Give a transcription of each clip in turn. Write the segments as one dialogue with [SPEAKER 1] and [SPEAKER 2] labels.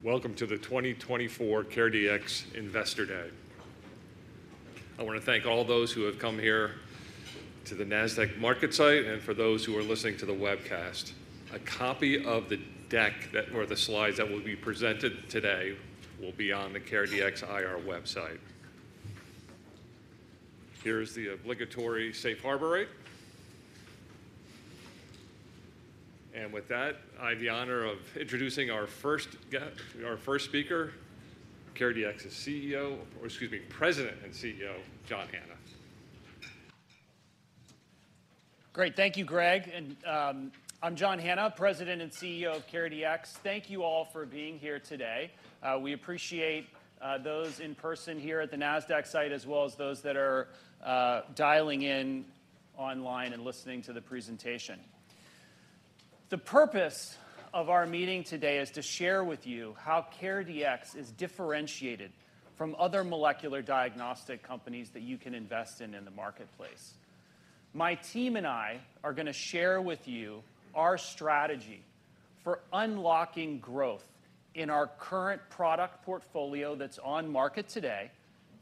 [SPEAKER 1] Welcome to the 2024 CareDx Investor Day. I wanna thank all those who have come here to the Nasdaq MarketSite, and for those who are listening to the webcast. A copy of the deck that, or the slides that will be presented today, will be on the CareDx IR website. Here's the obligatory safe harbor. With that, I have the honor of introducing our first speaker, CareDx's President and CEO, John Hanna.
[SPEAKER 2] Great. Thank you, Greg, and, I'm John Hanna, President and CEO of CareDx. Thank you all for being here today. We appreciate those in person here at the Nasdaq site, as well as those that are dialing in online and listening to the presentation. The purpose of our meeting today is to share with you how CareDx is differentiated from other molecular diagnostic companies that you can invest in, in the marketplace. My team and I are gonna share with you our strategy for unlocking growth in our current product portfolio that's on market today,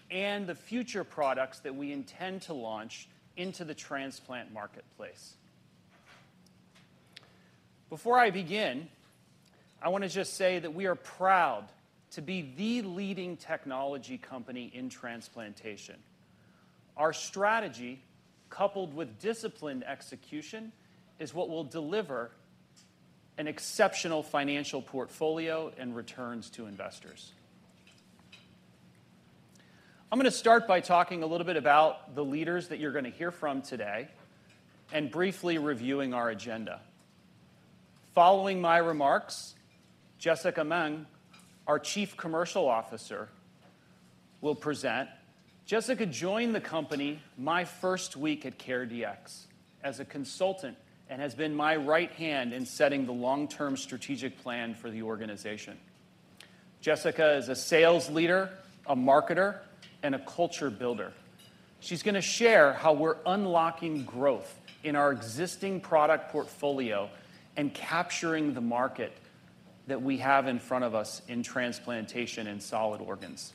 [SPEAKER 2] and the future products that we intend to launch into the transplant marketplace. Before I begin, I wanna just say that we are proud to be the leading technology company in transplantation. Our strategy, coupled with disciplined execution, is what will deliver an exceptional financial portfolio and returns to investors. I'm gonna start by talking a little bit about the leaders that you're gonna hear from today, and briefly reviewing our agenda. Following my remarks, Jessica Meng, our Chief Commercial Officer, will present. Jessica joined the company my first week at CareDx as a consultant, and has been my right hand in setting the long-term strategic plan for the organization. Jessica is a sales leader, a marketer, and a culture builder. She's gonna share how we're unlocking growth in our existing product portfolio and capturing the market that we have in front of us in transplantation and solid organs.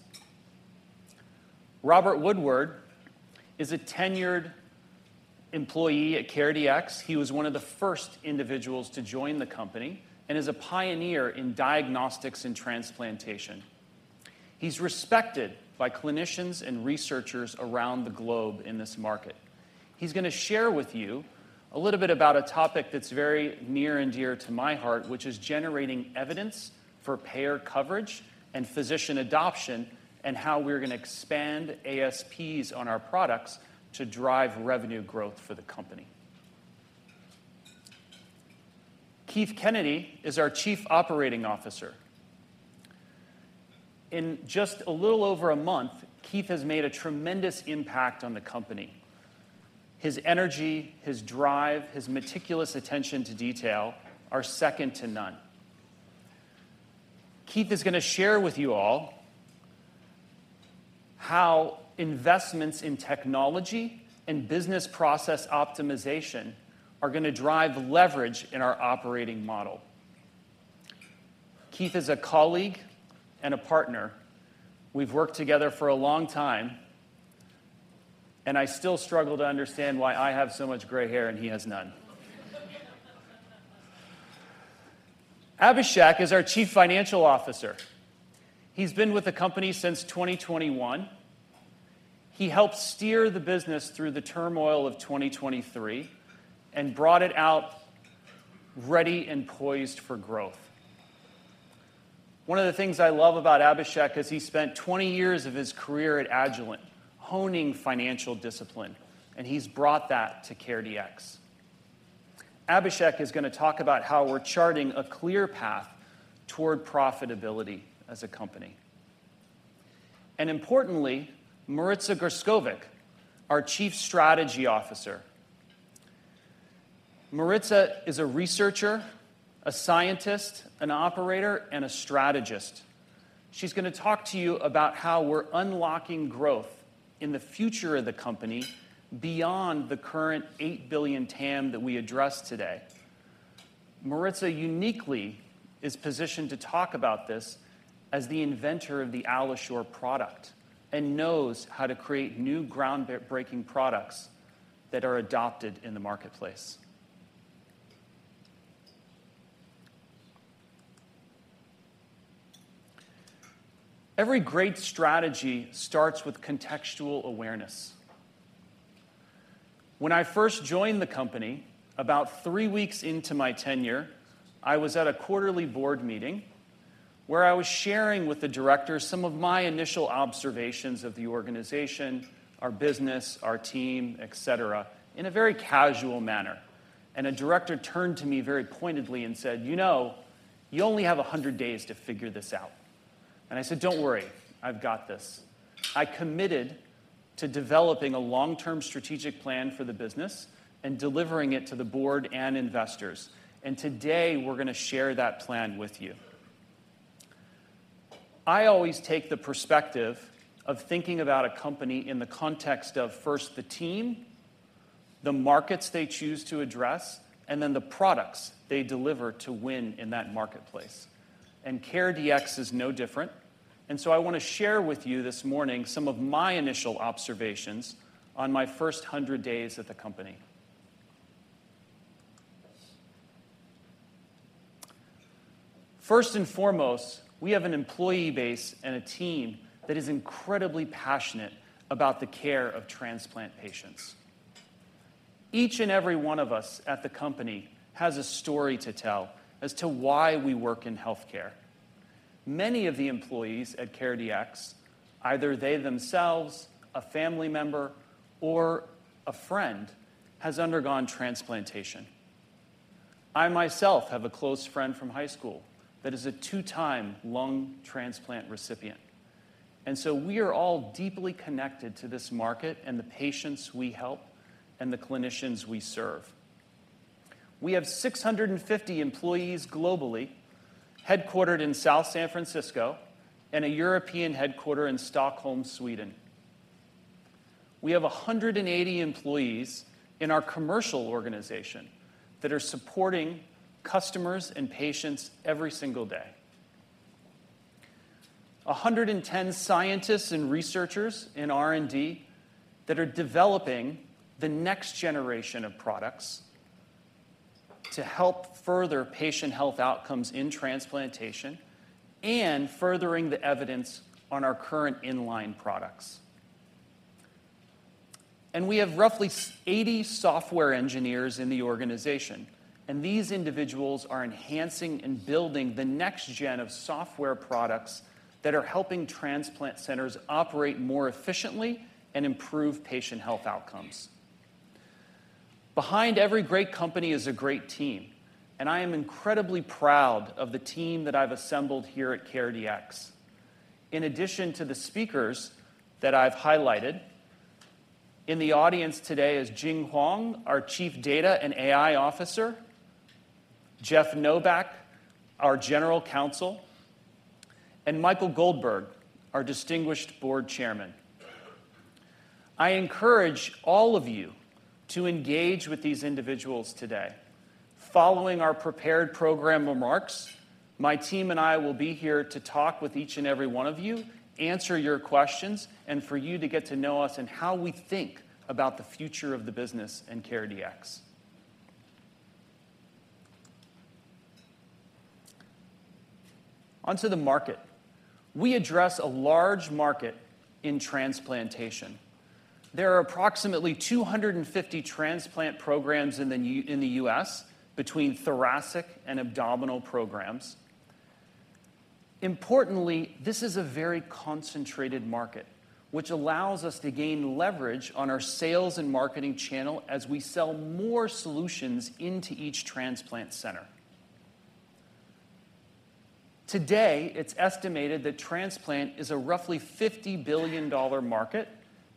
[SPEAKER 2] Robert Woodward is a tenured employee at CareDx. He was one of the first individuals to join the company and is a pioneer in diagnostics and transplantation. He's respected by clinicians and researchers around the globe in this market. He's gonna share with you a little bit about a topic that's very near and dear to my heart, which is generating evidence for payer coverage and physician adoption, and how we're gonna expand ASPs on our products to drive revenue growth for the company. Keith Kennedy is our Chief Operating Officer. In just a little over a month, Keith has made a tremendous impact on the company. His energy, his drive, his meticulous attention to detail are second to none. Keith is gonna share with you all how investments in technology and business process optimization are gonna drive leverage in our operating model. Keith is a colleague and a partner. We've worked together for a long time, and I still struggle to understand why I have so much gray hair and he has none. Abhishek is our Chief Financial Officer. He's been with the company since 2021. He helped steer the business through the turmoil of 2023 and brought it out ready and poised for growth. One of the things I love about Abhishek is he spent 20 years of his career at Agilent honing financial discipline, and he's brought that to CareDx. Abhishek is gonna talk about how we're charting a clear path toward profitability as a company. And importantly, Marica Grskovic, our Chief Strategy Officer. Marica is a researcher, a scientist, an operator, and a strategist. She's gonna talk to you about how we're unlocking growth in the future of the company beyond the current eight billion TAM that we addressed today. Marica uniquely is positioned to talk about this as the inventor of the AlloSure product and knows how to create new groundbreaking products that are adopted in the marketplace. Every great strategy starts with contextual awareness. When I first joined the company, about three weeks into my tenure, I was at a quarterly board meeting where I was sharing with the directors some of my initial observations of the organization, our business, our team, et cetera, in a very casual manner. And a director turned to me very pointedly and said: "You know, you only have a hundred days to figure this out." And I said: "Don't worry, I've got this." I committed to developing a long-term strategic plan for the business and delivering it to the board and investors, and today we're gonna share that plan with you. I always take the perspective of thinking about a company in the context of first the team, the markets they choose to address, and then the products they deliver to win in that marketplace. CareDx is no different, and so I want to share with you this morning some of my initial observations on my first 100 days at the company. First and foremost, we have an employee base and a team that is incredibly passionate about the care of transplant patients. Each and every one of us at the company has a story to tell as to why we work in healthcare. Many of the employees at CareDx, either they themselves, a family member, or a friend, has undergone transplantation. I myself have a close friend from high school that is a two-time lung transplant recipient, and so we are all deeply connected to this market and the patients we help and the clinicians we serve. We have 650 employees globally, headquartered in South San Francisco, and a European headquarters in Stockholm, Sweden. We have 180 employees in our commercial organization that are supporting customers and patients every single day. 110 scientists and researchers in R&D that are developing the next generation of products to help further patient health outcomes in transplantation and furthering the evidence on our current in-line products. And we have roughly 80 software engineers in the organization, and these individuals are enhancing and building the next-gen of software products that are helping transplant centers operate more efficiently and improve patient health outcomes. Behind every great company is a great team, and I am incredibly proud of the team that I've assembled here at CareDx. In addition to the speakers that I've highlighted, in the audience today is Jing Huang, our Chief Data and AI Officer, Jeff Novak, our General Counsel, and Michael Goldberg, our distinguished Board Chairman. I encourage all of you to engage with these individuals today. Following our prepared program remarks, my team and I will be here to talk with each and every one of you, answer your questions, and for you to get to know us and how we think about the future of the business and CareDx. Onto the market. We address a large market in transplantation. There are approximately 250 transplant programs in the U.S. between thoracic and abdominal programs. Importantly, this is a very concentrated market, which allows us to gain leverage on our sales and marketing channel as we sell more solutions into each transplant center. Today, it's estimated that transplant is a roughly $50 billion market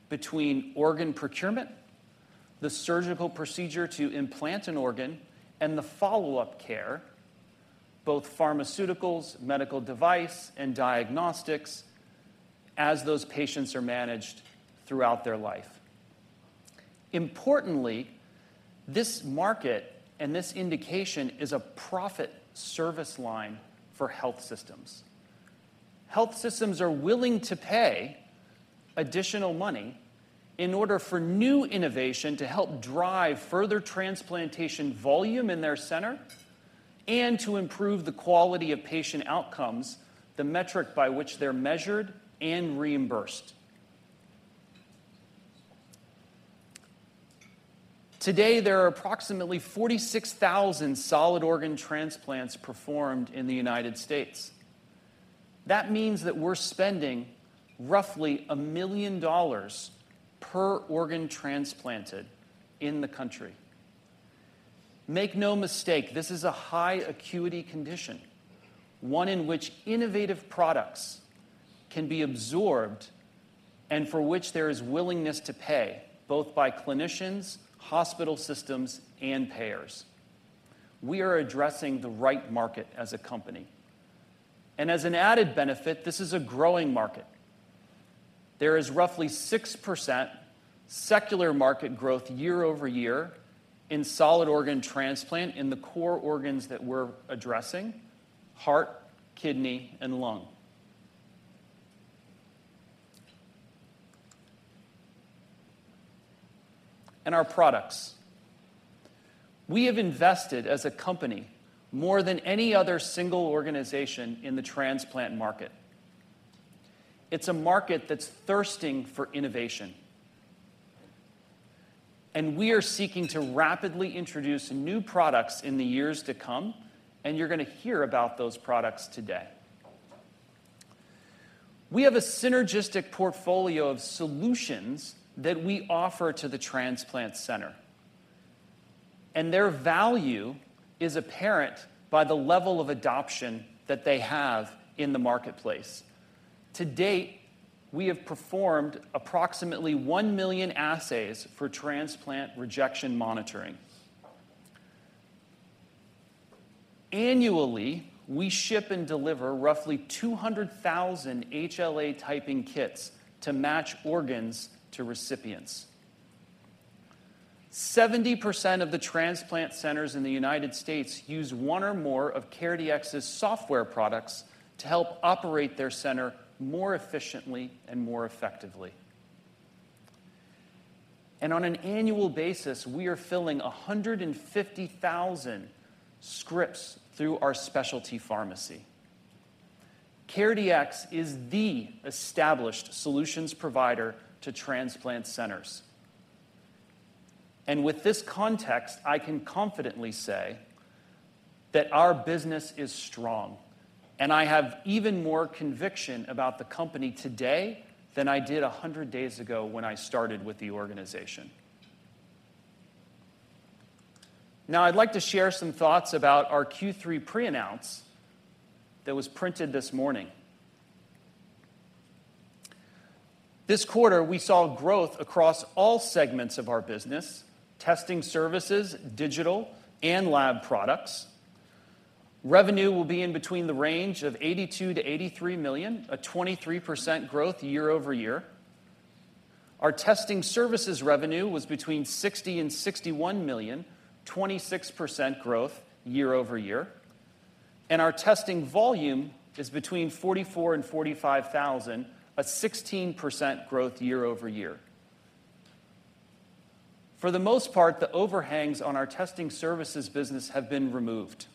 [SPEAKER 2] between organ procurement, the surgical procedure to implant an organ, and the follow-up care, both pharmaceuticals, medical device, and diagnostics, as those patients are managed throughout their life. Importantly, this market and this indication is a profit service line for health systems. Health systems are willing to pay additional money in order for new innovation to help drive further transplantation volume in their center and to improve the quality of patient outcomes, the metric by which they're measured and reimbursed. Today, there are approximately 46,000 solid organ transplants performed in the United States. That means that we're spending roughly $1 million per organ transplanted in the country. Make no mistake, this is a high acuity condition, one in which innovative products can be absorbed and for which there is willingness to pay, both by clinicians, hospital systems, and payers. We are addressing the right market as a company, and as an added benefit, this is a growing market. There is roughly 6% secular market growth year over year in solid organ transplant in the core organs that we're addressing: heart, kidney, and lung. And our products. We have invested as a company more than any other single organization in the transplant market. It's a market that's thirsting for innovation, and we are seeking to rapidly introduce new products in the years to come, and you're going to hear about those products today. We have a synergistic portfolio of solutions that we offer to the transplant center, and their value is apparent by the level of adoption that they have in the marketplace. To date, we have performed approximately 1 million assays for transplant rejection monitoring. Annually, we ship and deliver roughly 200,000 HLA typing kits to match organs to recipients. 70% of the transplant centers in the United States use one or more of CareDx's software products to help operate their center more efficiently and more effectively. On an annual basis, we are filling 150,000 scripts through our specialty pharmacy. CareDx is the established solutions provider to transplant centers. With this context, I can confidently say that our business is strong, and I have even more conviction about the company today than I did 100 days ago when I started with the organization. Now, I'd like to share some thoughts about our Q3 pre-announce that was printed this morning. This quarter, we saw growth across all segments of our business: testing services, digital, and lab products. Revenue will be in between the range of $82-$83 million, a 23% growth year over year. Our testing services revenue was between $60 and $61 million, 26% growth year over year, and our testing volume is between 44-45 thousand, a 16% growth year over year. For the most part, the overhangs on our testing services business have been removed.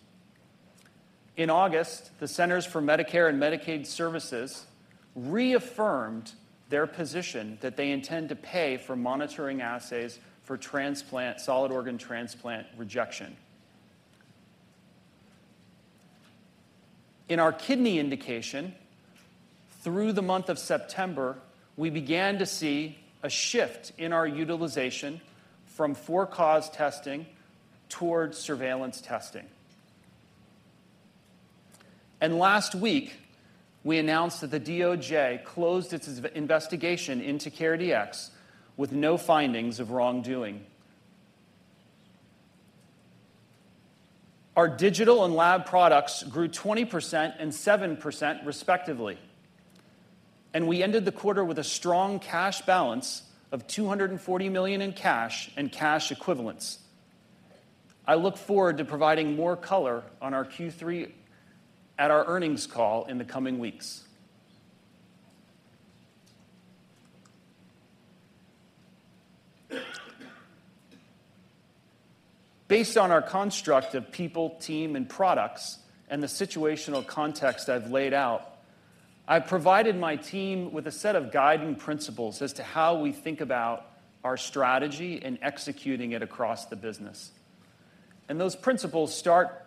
[SPEAKER 2] In August, the Centers for Medicare and Medicaid Services reaffirmed their position that they intend to pay for monitoring assays for transplant, solid organ transplant rejection. In our kidney indication, through the month of September, we began to see a shift in our utilization from for-cause testing towards surveillance testing, and last week, we announced that the DOJ closed its investigation into CareDx with no findings of wrongdoing. Our digital and lab products grew 20% and 7%, respectively, and we ended the quarter with a strong cash balance of $240 million in cash and cash equivalents. I look forward to providing more color on our Q3 at our earnings call in the coming weeks. Based on our construct of people, team, and products and the situational context I've laid out, I provided my team with a set of guiding principles as to how we think about our strategy and executing it across the business. Those principles start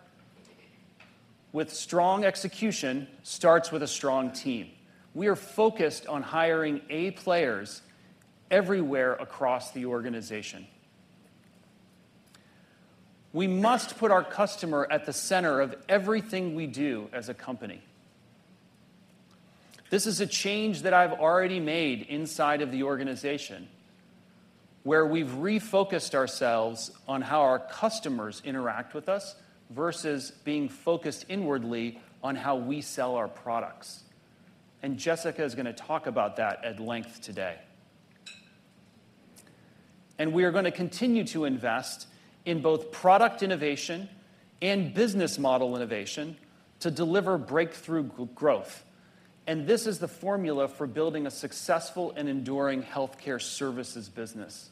[SPEAKER 2] with strong execution, starts with a strong team. We are focused on hiring A players everywhere across the organization. We must put our customer at the center of everything we do as a company. This is a change that I've already made inside of the organization, where we've refocused ourselves on how our customers interact with us versus being focused inwardly on how we sell our products, and Jessica is going to talk about that at length today. We are going to continue to invest in both product innovation and business model innovation to deliver breakthrough growth. This is the formula for building a successful and enduring healthcare services business.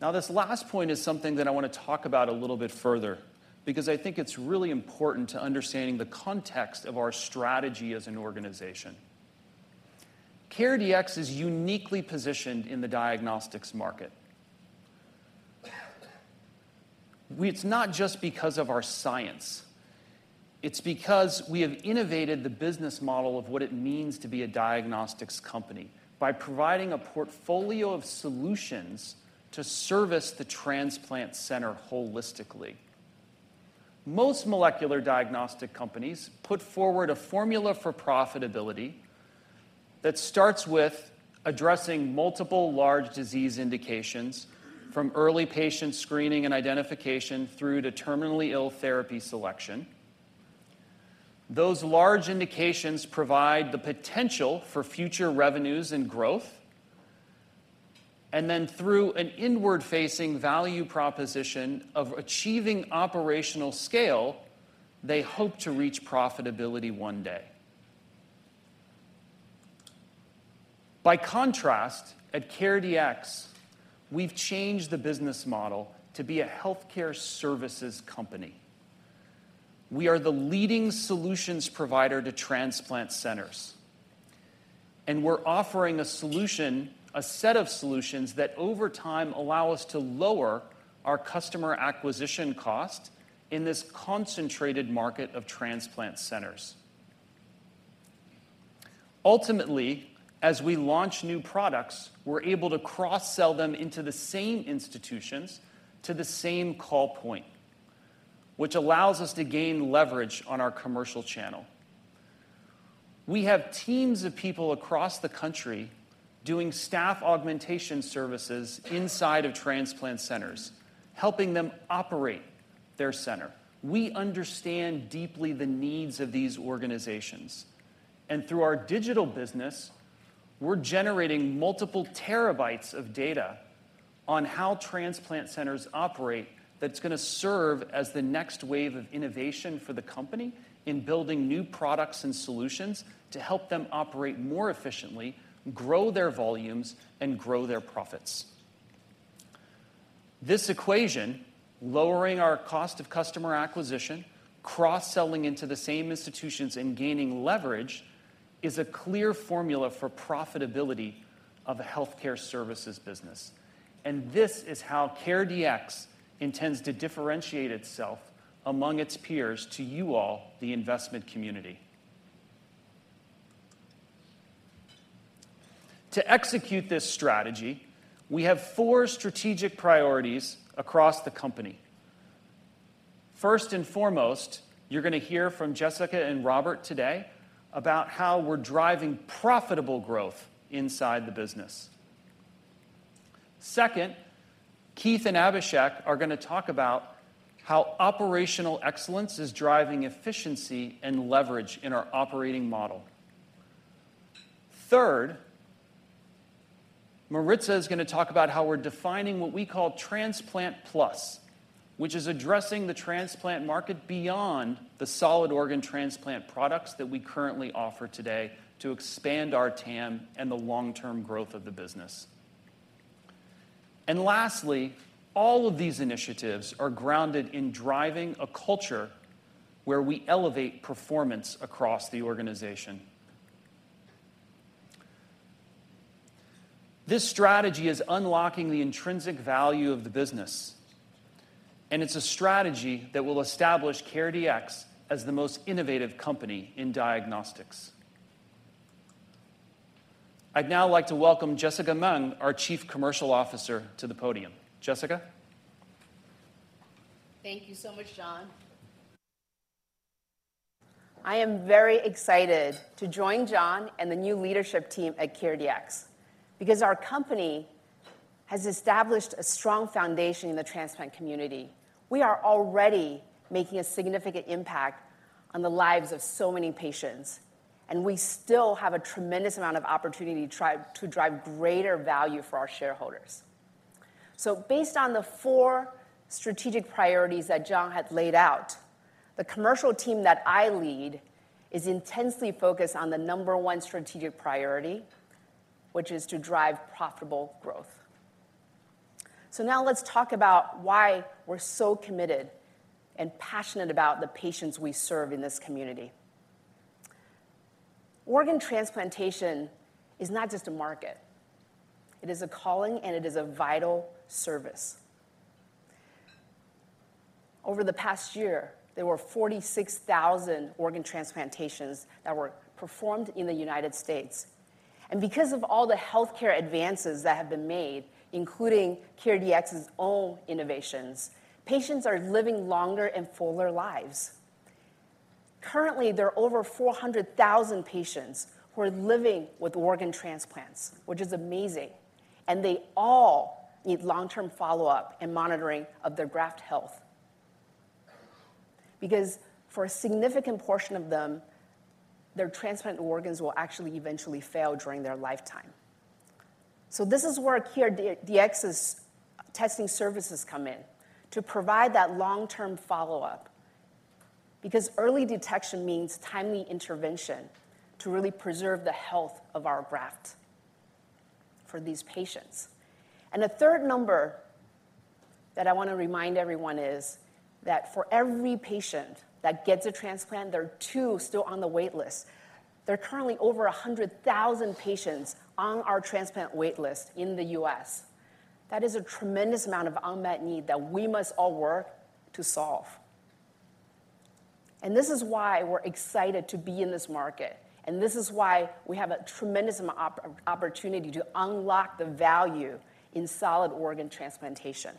[SPEAKER 2] Now, this last point is something that I want to talk about a little bit further because I think it's really important to understanding the context of our strategy as an organization. CareDx is uniquely positioned in the diagnostics market. It's not just because of our science. It's because we have innovated the business model of what it means to be a diagnostics company by providing a portfolio of solutions to service the transplant center holistically. Most molecular diagnostic companies put forward a formula for profitability that starts with addressing multiple large disease indications from early patient screening and identification through to terminally ill therapy selection. Those large indications provide the potential for future revenues and growth, and then through an inward-facing value proposition of achieving operational scale, they hope to reach profitability one day. By contrast, at CareDx, we've changed the business model to be a healthcare services company. We are the leading solutions provider to transplant centers, and we're offering a solution, a set of solutions that over time allow us to lower our customer acquisition cost in this concentrated market of transplant centers. Ultimately, as we launch new products, we're able to cross-sell them into the same institutions to the same call point, which allows us to gain leverage on our commercial channel. We have teams of people across the country doing staff augmentation services inside of transplant centers, helping them operate their center. We understand deeply the needs of these organizations, and through our digital business, we're generating multiple terabytes of data on how transplant centers operate that's going to serve as the next wave of innovation for the company in building new products and solutions to help them operate more efficiently, grow their volumes, and grow their profits. This equation, lowering our cost of customer acquisition, cross-selling into the same institutions, and gaining leverage, is a clear formula for profitability of a healthcare services business. And this is how CareDx intends to differentiate itself among its peers to you all, the investment community. To execute this strategy, we have four strategic priorities across the company. First and foremost, you're going to hear from Jessica and Robert today about how we're driving profitable growth inside the business. Second, Keith and Abhishek are going to talk about how operational excellence is driving efficiency and leverage in our operating model. Third, Marica is going to talk about how we're defining what we call Transplant+, which is addressing the transplant market beyond the solid organ transplant products that we currently offer today to expand our TAM and the long-term growth of the business. And lastly, all of these initiatives are grounded in driving a culture where we elevate performance across the organization. This strategy is unlocking the intrinsic value of the business, and it's a strategy that will establish CareDx as the most innovative company in diagnostics. I'd now like to welcome Jessica Meng, our Chief Commercial Officer, to the podium. Jessica?
[SPEAKER 3] Thank you so much, John. I am very excited to join John and the new leadership team at CareDx because our company has established a strong foundation in the transplant community. We are already making a significant impact on the lives of so many patients, and we still have a tremendous amount of opportunity to drive greater value for our shareholders. So based on the four strategic priorities that John had laid out, the commercial team that I lead is intensely focused on the number one strategic priority, which is to drive profitable growth. So now let's talk about why we're so committed and passionate about the patients we serve in this community. Organ transplantation is not just a market. It is a calling, and it is a vital service. Over the past year, there were forty-six thousand organ transplantations that were performed in the United States, and because of all the healthcare advances that have been made, including CareDx's own innovations, patients are living longer and fuller lives. Currently, there are over four hundred thousand patients who are living with organ transplants, which is amazing, and they all need long-term follow-up and monitoring of their graft health. Because for a significant portion of them, their transplanted organs will actually eventually fail during their lifetime. So this is where CareDx's testing services come in, to provide that long-term follow-up, because early detection means timely intervention to really preserve the health of our graft for these patients. And a third number that I want to remind everyone is that for every patient that gets a transplant, there are two still on the wait list. There are currently over a hundred thousand patients on our transplant wait list in the U.S. That is a tremendous amount of unmet need that we must all work to solve, and this is why we're excited to be in this market, and this is why we have a tremendous amount of opportunity to unlock the value in solid organ transplantation.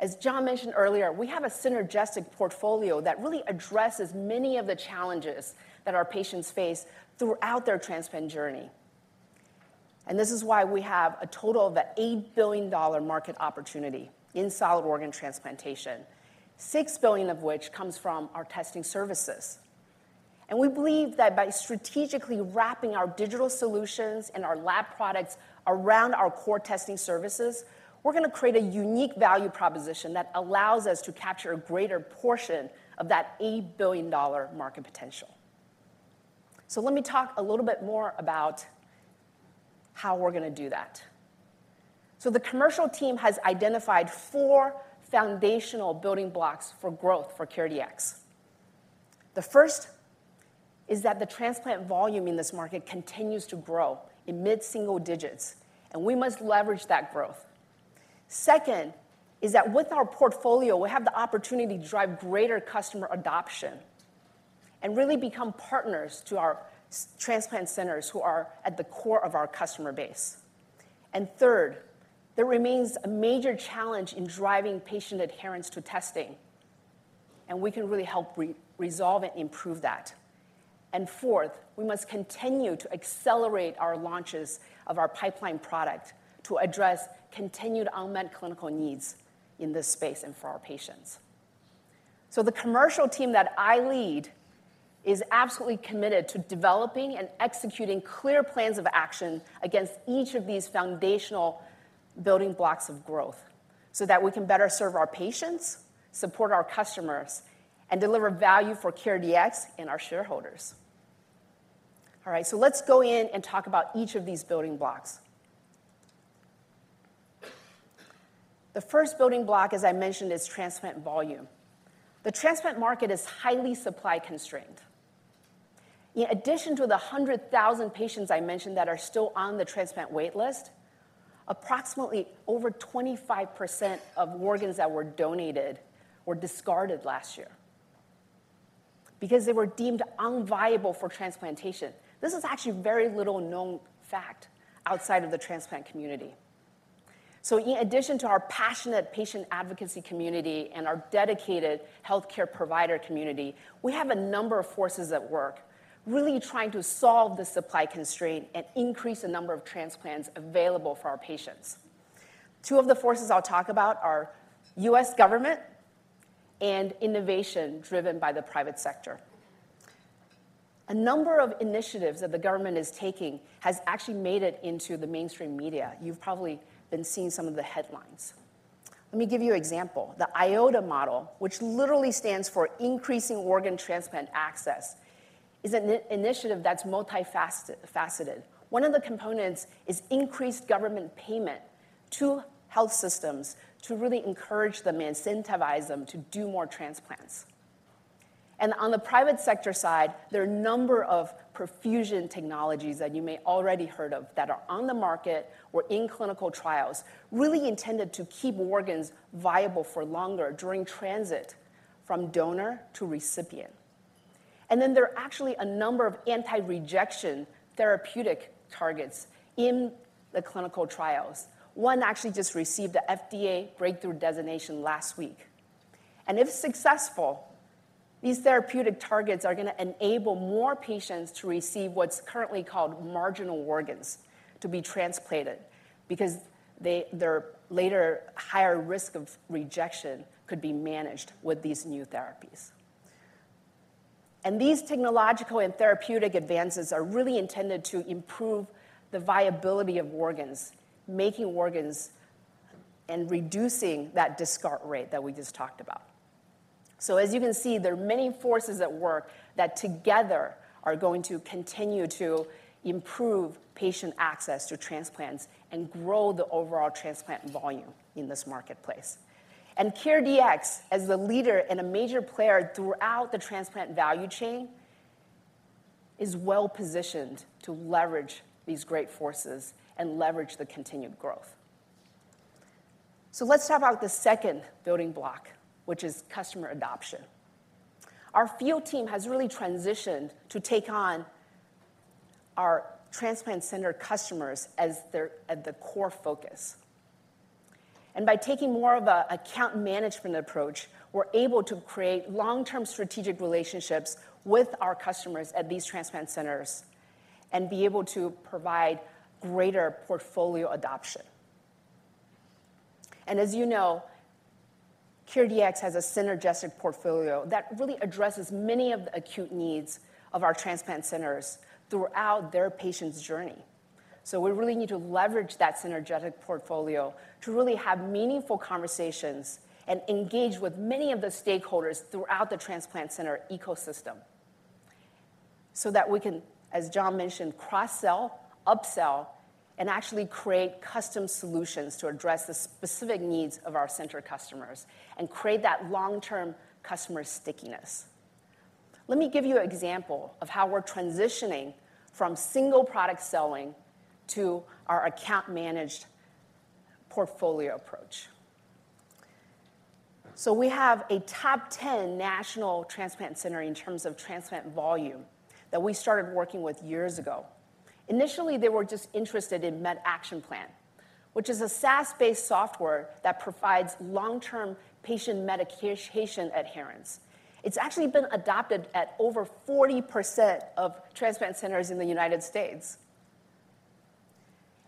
[SPEAKER 3] As John mentioned earlier, we have a synergistic portfolio that really addresses many of the challenges that our patients face throughout their transplant journey, and this is why we have a total of an $8 billion market opportunity in solid organ transplantation, $6 billion of which comes from our testing services. We believe that by strategically wrapping our digital solutions and our lab products around our core testing services, we're going to create a unique value proposition that allows us to capture a greater portion of that $8 billion market potential. Let me talk a little bit more about how we're going to do that. The commercial team has identified four foundational building blocks for growth for CareDx. The first is that the transplant volume in this market continues to grow in mid-single digits, and we must leverage that growth. Second is that with our portfolio, we have the opportunity to drive greater customer adoption and really become partners to our solid-organ transplant centers who are at the core of our customer base. Third, there remains a major challenge in driving patient adherence to testing, and we can really help resolve and improve that. And fourth, we must continue to accelerate our launches of our pipeline product to address continued unmet clinical needs in this space and for our patients. So the commercial team that I lead is absolutely committed to developing and executing clear plans of action against each of these foundational building blocks of growth, so that we can better serve our patients, support our customers, and deliver value for CareDx and our shareholders. All right, so let's go in and talk about each of these building blocks. The first building block, as I mentioned, is transplant volume. The transplant market is highly supply constrained. In addition to the 100,000 patients I mentioned that are still on the transplant wait list, approximately over 25% of organs that were donated were discarded last year because they were deemed unviable for transplantation. This is actually very little known fact outside of the transplant community. So in addition to our passionate patient advocacy community and our dedicated healthcare provider community, we have a number of forces at work really trying to solve the supply constraint and increase the number of transplants available for our patients. Two of the forces I'll talk about are U.S. government and innovation driven by the private sector. A number of initiatives that the government is taking has actually made it into the mainstream media. You've probably been seeing some of the headlines. Let me give you an example. The IOTA model, which literally stands for Increasing Organ Transplant Access, is an initiative that's multifaceted. One of the components is increased government payment to health systems to really encourage them and incentivize them to do more transplants. On the private sector side, there are a number of perfusion technologies that you may already heard of that are on the market or in clinical trials, really intended to keep organs viable for longer during transit from donor to recipient. Then there are actually a number of anti-rejection therapeutic targets in the clinical trials. One actually just received the FDA Breakthrough Designation last week. If successful, these therapeutic targets are going to enable more patients to receive what's currently called marginal organs to be transplanted, because they're at higher risk of rejection later could be managed with these new therapies. These technological and therapeutic advances are really intended to improve the viability of organs, making organs and reducing that discard rate that we just talked about. As you can see, there are many forces at work that together are going to continue to improve patient access to transplants and grow the overall transplant volume in this marketplace. CareDx, as the leader and a major player throughout the transplant value chain, is well-positioned to leverage these great forces and leverage the continued growth. Let's talk about the second building block, which is customer adoption. Our field team has really transitioned to take on our transplant center customers as their core focus. By taking more of an account management approach, we're able to create long-term strategic relationships with our customers at these transplant centers and be able to provide greater portfolio adoption. As you know, CareDx has a synergistic portfolio that really addresses many of the acute needs of our transplant centers throughout their patient's journey. We really need to leverage that synergetic portfolio to really have meaningful conversations and engage with many of the stakeholders throughout the transplant center ecosystem so that we can, as John mentioned, cross-sell, upsell, and actually create custom solutions to address the specific needs of our center customers and create that long-term customer stickiness. Let me give you an example of how we're transitioning from single product selling to our account managed portfolio approach. We have a top ten national transplant center in terms of transplant volume that we started working with years ago. Initially, they were just interested in MedActionPlan, which is a SaaS-based software that provides long-term patient medication adherence. It's actually been adopted at over 40% of transplant centers in the United States.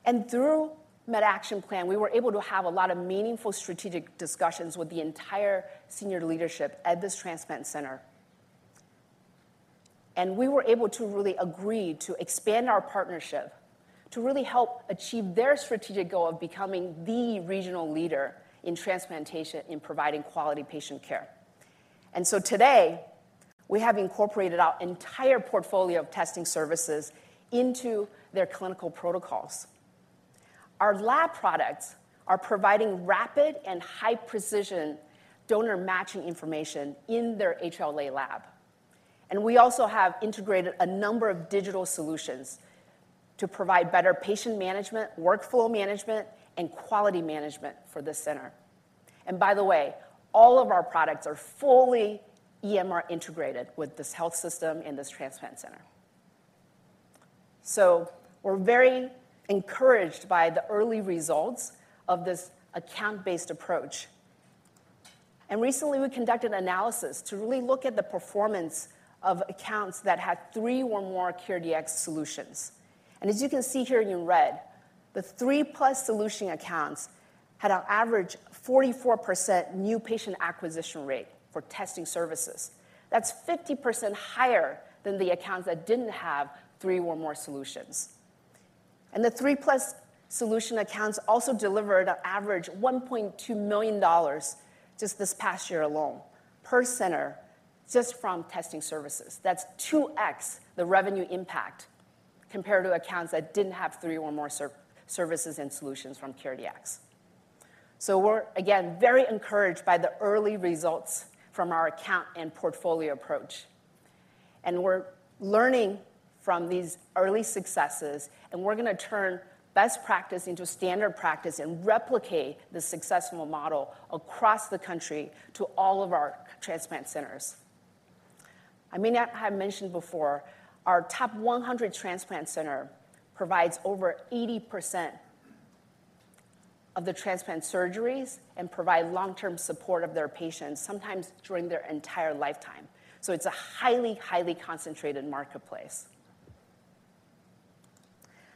[SPEAKER 3] And through MedAction Plan, we were able to have a lot of meaningful strategic discussions with the entire senior leadership at this transplant center. And we were able to really agree to expand our partnership to really help achieve their strategic goal of becoming the regional leader in transplantation in providing quality patient care. And so today, we have incorporated our entire portfolio of testing services into their clinical protocols. Our lab products are providing rapid and high precision donor matching information in their HLA lab. And we also have integrated a number of digital solutions to provide better patient management, workflow management, and quality management for this center. And by the way, all of our products are fully EMR integrated with this health system and this transplant center. So we're very encouraged by the early results of this account-based approach. Recently, we conducted analysis to really look at the performance of accounts that had three or more CareDx solutions. As you can see here in red, the three-plus solution accounts had an average 44% new patient acquisition rate for testing services. That's 50% higher than the accounts that didn't have three or more solutions. The three-plus solution accounts also delivered an average $1.2 million just this past year alone, per center, just from testing services. That's 2X the revenue impact compared to accounts that didn't have three or more services and solutions from CareDx. We're, again, very encouraged by the early results from our account and portfolio approach, and we're learning from these early successes, and we're gonna turn best practice into standard practice and replicate the successful model across the country to all of our transplant centers. I may not have mentioned before, our top 100 transplant center provides over 80% of the transplant surgeries and provide long-term support of their patients, sometimes during their entire lifetime. So it's a highly, highly concentrated marketplace.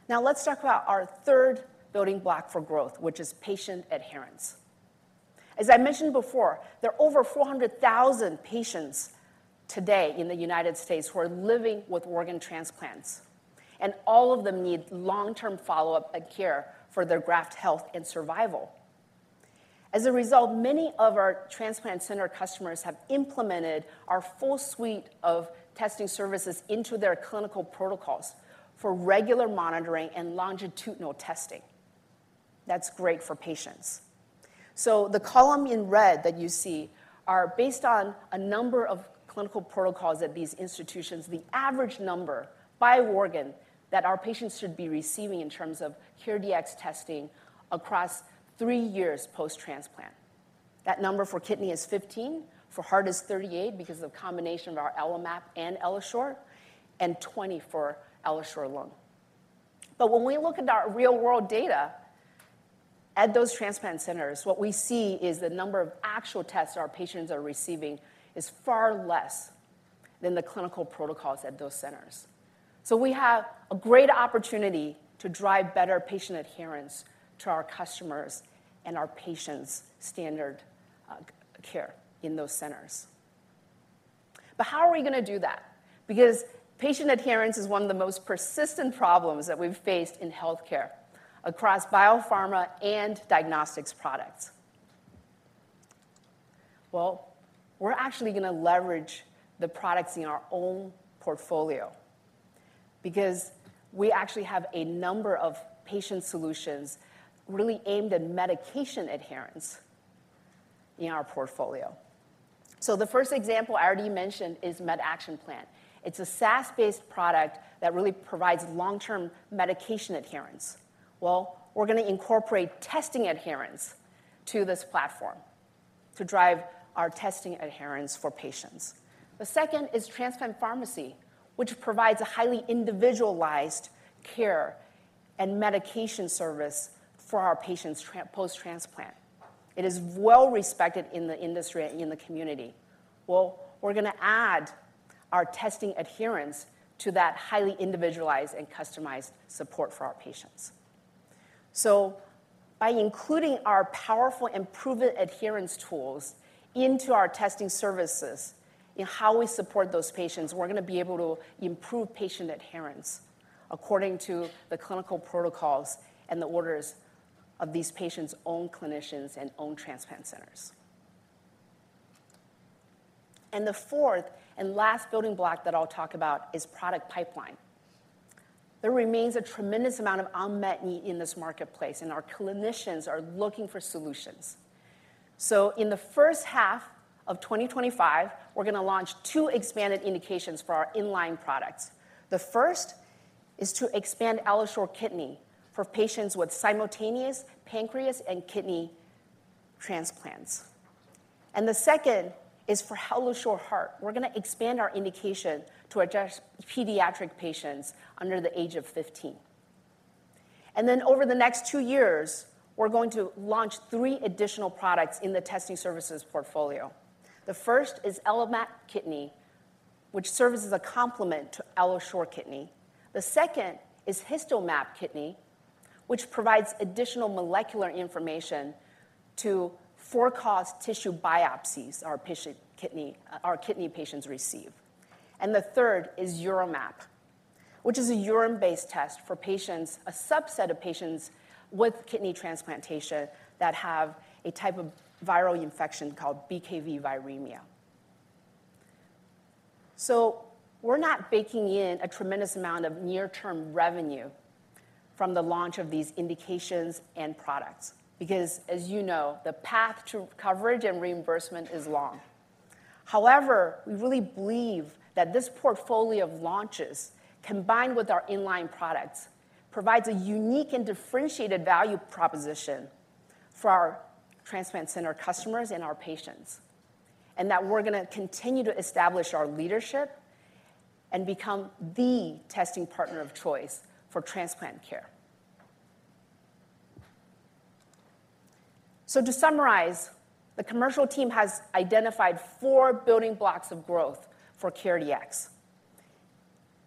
[SPEAKER 3] Now, let's talk about our third building block for growth, which is patient adherence. As I mentioned before, there are over 400,000 patients today in the United States who are living with organ transplants, and all of them need long-term follow-up and care for their graft health and survival. As a result, many of our transplant center customers have implemented our full suite of testing services into their clinical protocols for regular monitoring and longitudinal testing. That's great for patients. The column in red that you see is based on a number of clinical protocols at these institutions, the average number by organ, that our patients should be receiving in terms of CareDx testing across three years post-transplant. That number for kidney is fifteen, for heart is thirty-eight, because of the combination of our AlloMap and AlloSure, and twenty for AlloSure Lung. But when we look at our real-world data at those transplant centers, what we see is the number of actual tests our patients are receiving is far less than the clinical protocols at those centers. So we have a great opportunity to drive better patient adherence to our customers and our patients' standard care in those centers. But how are we gonna do that? Because patient adherence is one of the most persistent problems that we've faced in healthcare across biopharma and diagnostics products. Well, we're actually gonna leverage the products in our own portfolio because we actually have a number of patient solutions really aimed at medication adherence in our portfolio. So the first example I already mentioned is MedActionPlan. It's a SaaS-based product that really provides long-term medication adherence. Well, we're gonna incorporate testing adherence to this platform to drive our testing adherence for patients. The second is Transplant Pharmacy, which provides a highly individualized care and medication service for our patients post-transplant. It is well respected in the industry and in the community. Well, we're gonna add our testing adherence to that highly individualized and customized support for our patients. So by including our powerful improvement adherence tools into our testing services, in how we support those patients, we're gonna be able to improve patient adherence according to the clinical protocols and the orders of these patients' own clinicians and own transplant centers. And the fourth and last building block that I'll talk about is product pipeline. There remains a tremendous amount of unmet need in this marketplace, and our clinicians are looking for solutions. So in the first half of twenty twenty-five, we're gonna launch two expanded indications for our in-line products. The first is to expand AlloSure Kidney for patients with simultaneous pancreas and kidney transplants, and the second is for AlloSure Heart. We're gonna expand our indication to address pediatric patients under the age of fifteen. And then over the next two years, we're going to launch three additional products in the testing services portfolio. The first is AlloMap Kidney, which serves as a complement to AlloSure Kidney. The second is HistoMap Kidney, which provides additional molecular information to for-cause tissue biopsies our kidney patients receive. And the third is UroMap, which is a urine-based test for patients, a subset of patients with kidney transplantation, that have a type of viral infection called BKV viremia. So we're not baking in a tremendous amount of near-term revenue from the launch of these indications and products because, as you know, the path to coverage and reimbursement is long. However, we really believe that this portfolio of launches, combined with our in-line products, provides a unique and differentiated value proposition for our transplant center customers and our patients, and that we're gonna continue to establish our leadership and become the testing partner of choice for transplant care. So to summarize, the commercial team has identified four building blocks of growth for CareDx,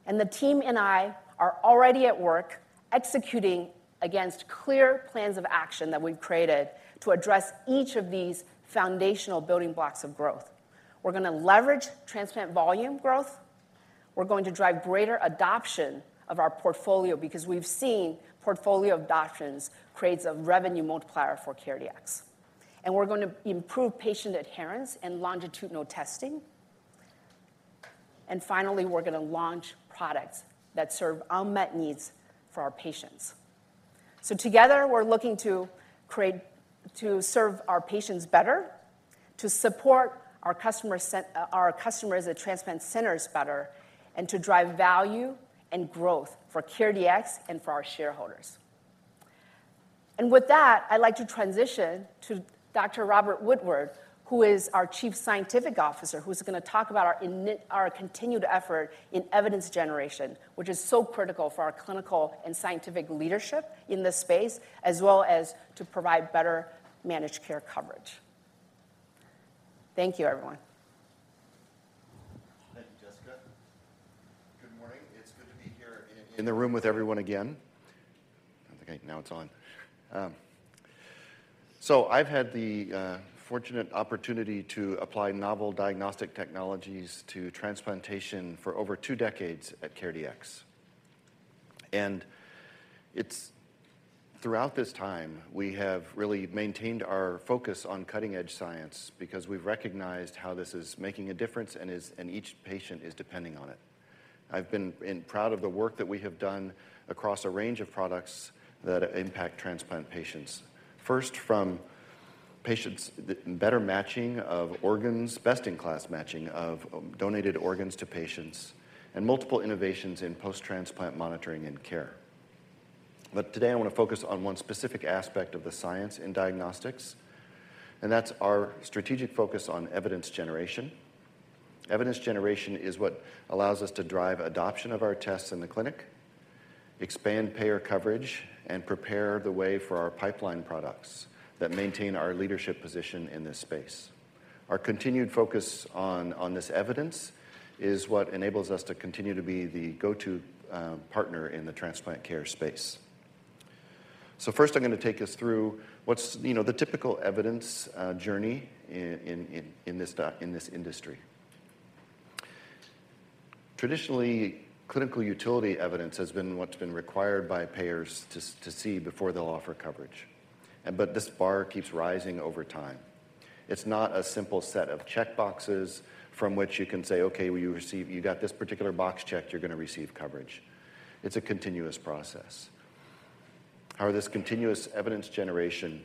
[SPEAKER 3] and the team and I are already at work executing against clear plans of action that we've created to address each of these foundational building blocks of growth. We're gonna leverage transplant volume growth. We're going to drive greater adoption of our portfolio because we've seen portfolio adoptions creates a revenue multiplier for CareDx, and we're going to improve patient adherence and longitudinal testing. And finally, we're gonna launch products that serve unmet needs for our patients. So together, we're looking to serve our patients better, to support our customer set, our customers at transplant centers better, and to drive value and growth for CareDx and for our shareholders. And with that, I'd like to transition to Dr. Robert Woodward, who is our Chief Scientific Officer, who's gonna talk about our continued effort in evidence generation, which is so critical for our clinical and scientific leadership in this space, as well as to provide better managed care coverage. Thank you, everyone.
[SPEAKER 4] Thank you, Jessica. Good morning. It's good to be here in the room with everyone again. Okay, now it's on. So I've had the fortunate opportunity to apply novel diagnostic technologies to transplantation for over two decades at CareDx, and it's... Throughout this time, we have really maintained our focus on cutting-edge science because we've recognized how this is making a difference and is and each patient is depending on it. I've been proud of the work that we have done across a range of products that impact transplant patients. First, from patients, the better matching of organs, best-in-class matching of donated organs to patients, and multiple innovations in post-transplant monitoring and care, but today, I want to focus on one specific aspect of the science in diagnostics, and that's our strategic focus on evidence generation. Evidence generation is what allows us to drive adoption of our tests in the clinic, expand payer coverage, and prepare the way for our pipeline products that maintain our leadership position in this space. Our continued focus on this evidence is what enables us to continue to be the go-to partner in the transplant care space. So first, I'm going to take us through what's, you know, the typical evidence journey in this industry. Traditionally, clinical utility evidence has been what's been required by payers to see before they'll offer coverage, and but this bar keeps rising over time. It's not a simple set of checkboxes from which you can say, "Okay, well, you got this particular box checked, you're gonna receive coverage." It's a continuous process. However, this continuous evidence generation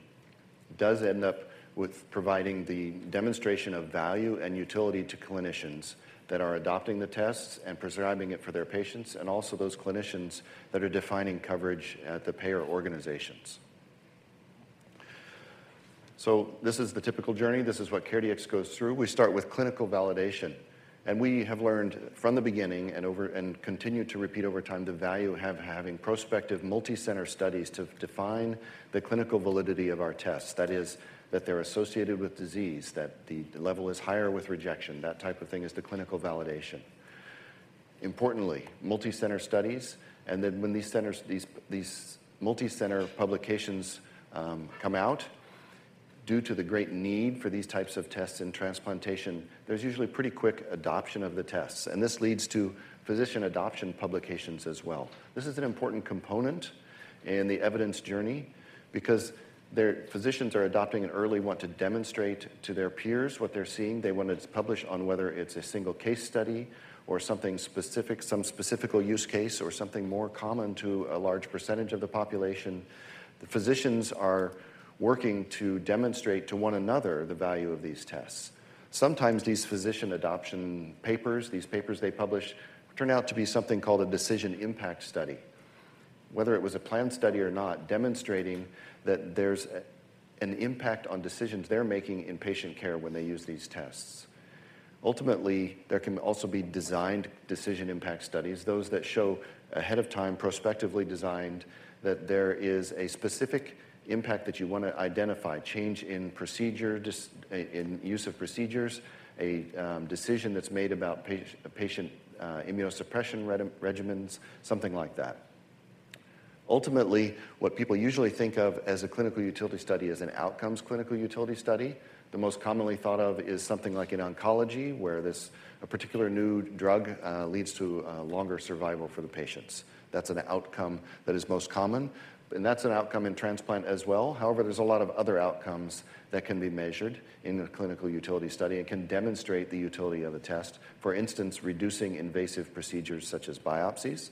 [SPEAKER 4] does end up with providing the demonstration of value and utility to clinicians that are adopting the tests and prescribing it for their patients, and also those clinicians that are defining coverage at the payer organizations, so this is the typical journey. This is what CareDx goes through. We start with clinical validation, and we have learned from the beginning and over and continue to repeat over time, the value of having prospective multicenter studies to define the clinical validity of our tests. That is, that they're associated with disease, that the level is higher with rejection, that type of thing is the clinical validation. Importantly, multicenter studies, and then when these centers, these multicenter publications come out, due to the great need for these types of tests in transplantation, there's usually pretty quick adoption of the tests, and this leads to physician adoption publications as well. This is an important component in the evidence journey because their physicians are adopting it early and want to demonstrate to their peers what they're seeing. They want it to publish on whether it's a single case study or something specific, some specific use case, or something more common to a large percentage of the population. The physicians are working to demonstrate to one another the value of these tests. Sometimes these physician adoption papers, these papers they publish, turn out to be something called a decision impact study, whether it was a planned study or not, demonstrating that there's an impact on decisions they're making in patient care when they use these tests. Ultimately, there can also be designed decision impact studies, those that show ahead of time, prospectively designed, that there is a specific impact that you want to identify: change in procedure, decrease in use of procedures, a decision that's made about patient immunosuppression regimens, something like that. Ultimately, what people usually think of as a clinical utility study is an outcomes clinical utility study. The most commonly thought of is something like in oncology, where this, a particular new drug leads to longer survival for the patients. That's an outcome that is most common, and that's an outcome in transplant as well. However, there's a lot of other outcomes that can be measured in a clinical utility study and can demonstrate the utility of a test, for instance, reducing invasive procedures such as biopsies,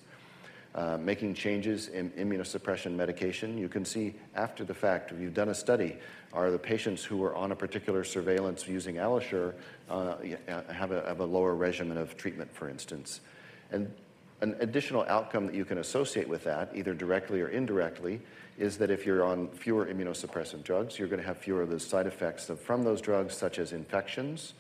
[SPEAKER 4] making changes in immunosuppression medication. You can see after the fact, we've done a study, are the patients who were on a particular surveillance using AlloSure, have a lower regimen of treatment, for instance. And an additional outcome that you can associate with that, either directly or indirectly, is that if you're on fewer immunosuppressant drugs, you're gonna have fewer of the side effects from those drugs, such as infections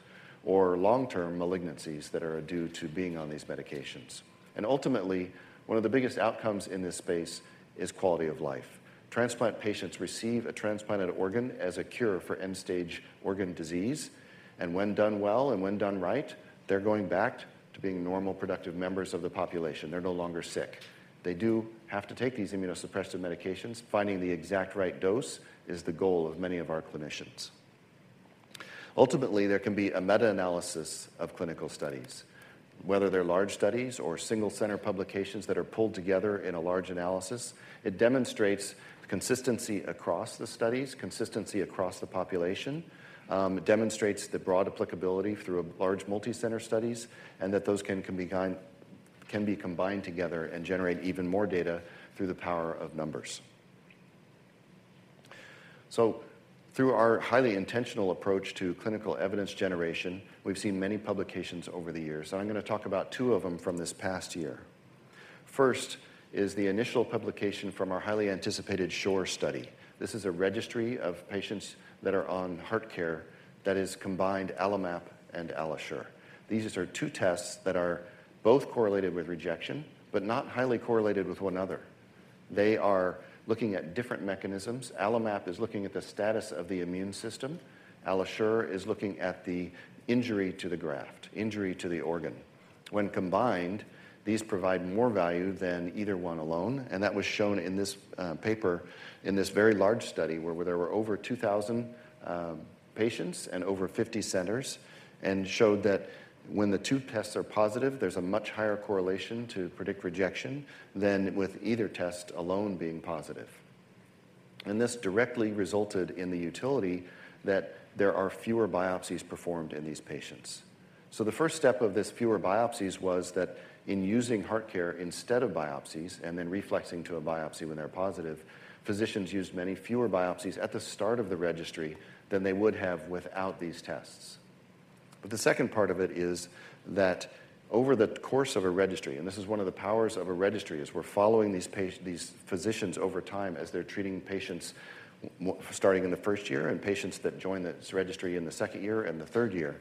[SPEAKER 4] or long-term malignancies that are due to being on these medications. And ultimately, one of the biggest outcomes in this space is quality of life. Transplant patients receive a transplanted organ as a cure for end-stage organ disease, and when done well, and when done right, they're going back to being normal, productive members of the population. They're no longer sick. They do have to take these immunosuppressive medications. Finding the exact right dose is the goal of many of our clinicians. Ultimately, there can be a meta-analysis of clinical studies. Whether they're large studies or single-center publications that are pulled together in a large analysis, it demonstrates consistency across the studies, consistency across the population. It demonstrates the broad applicability through a large multi-center studies, and that those can be combined together and generate even more data through the power of numbers. So through our highly intentional approach to clinical evidence generation, we've seen many publications over the years, and I'm gonna talk about two of them from this past year. First is the initial publication from our highly anticipated SHORE study. This is a registry of patients that are on HeartCare that is combined AlloMap and AlloSure. These are two tests that are both correlated with rejection, but not highly correlated with one another. They are looking at different mechanisms. AlloMap is looking at the status of the immune system. AlloSure is looking at the injury to the graft, injury to the organ. When combined, these provide more value than either one alone, and that was shown in this paper, in this very large study, where there were over 2,000 patients and over 50 centers, and showed that when the two tests are positive, there's a much higher correlation to predict rejection than with either test alone being positive. And this directly resulted in the utility that there are fewer biopsies performed in these patients. So the first step of this fewer biopsies was that in using HeartCare instead of biopsies, and then reflexing to a biopsy when they're positive, physicians used many fewer biopsies at the start of the registry than they would have without these tests. But the second part of it is that over the course of a registry, and this is one of the powers of a registry, is we're following these physicians over time as they're treating patients starting in the first year, and patients that join this registry in the second year and the third year.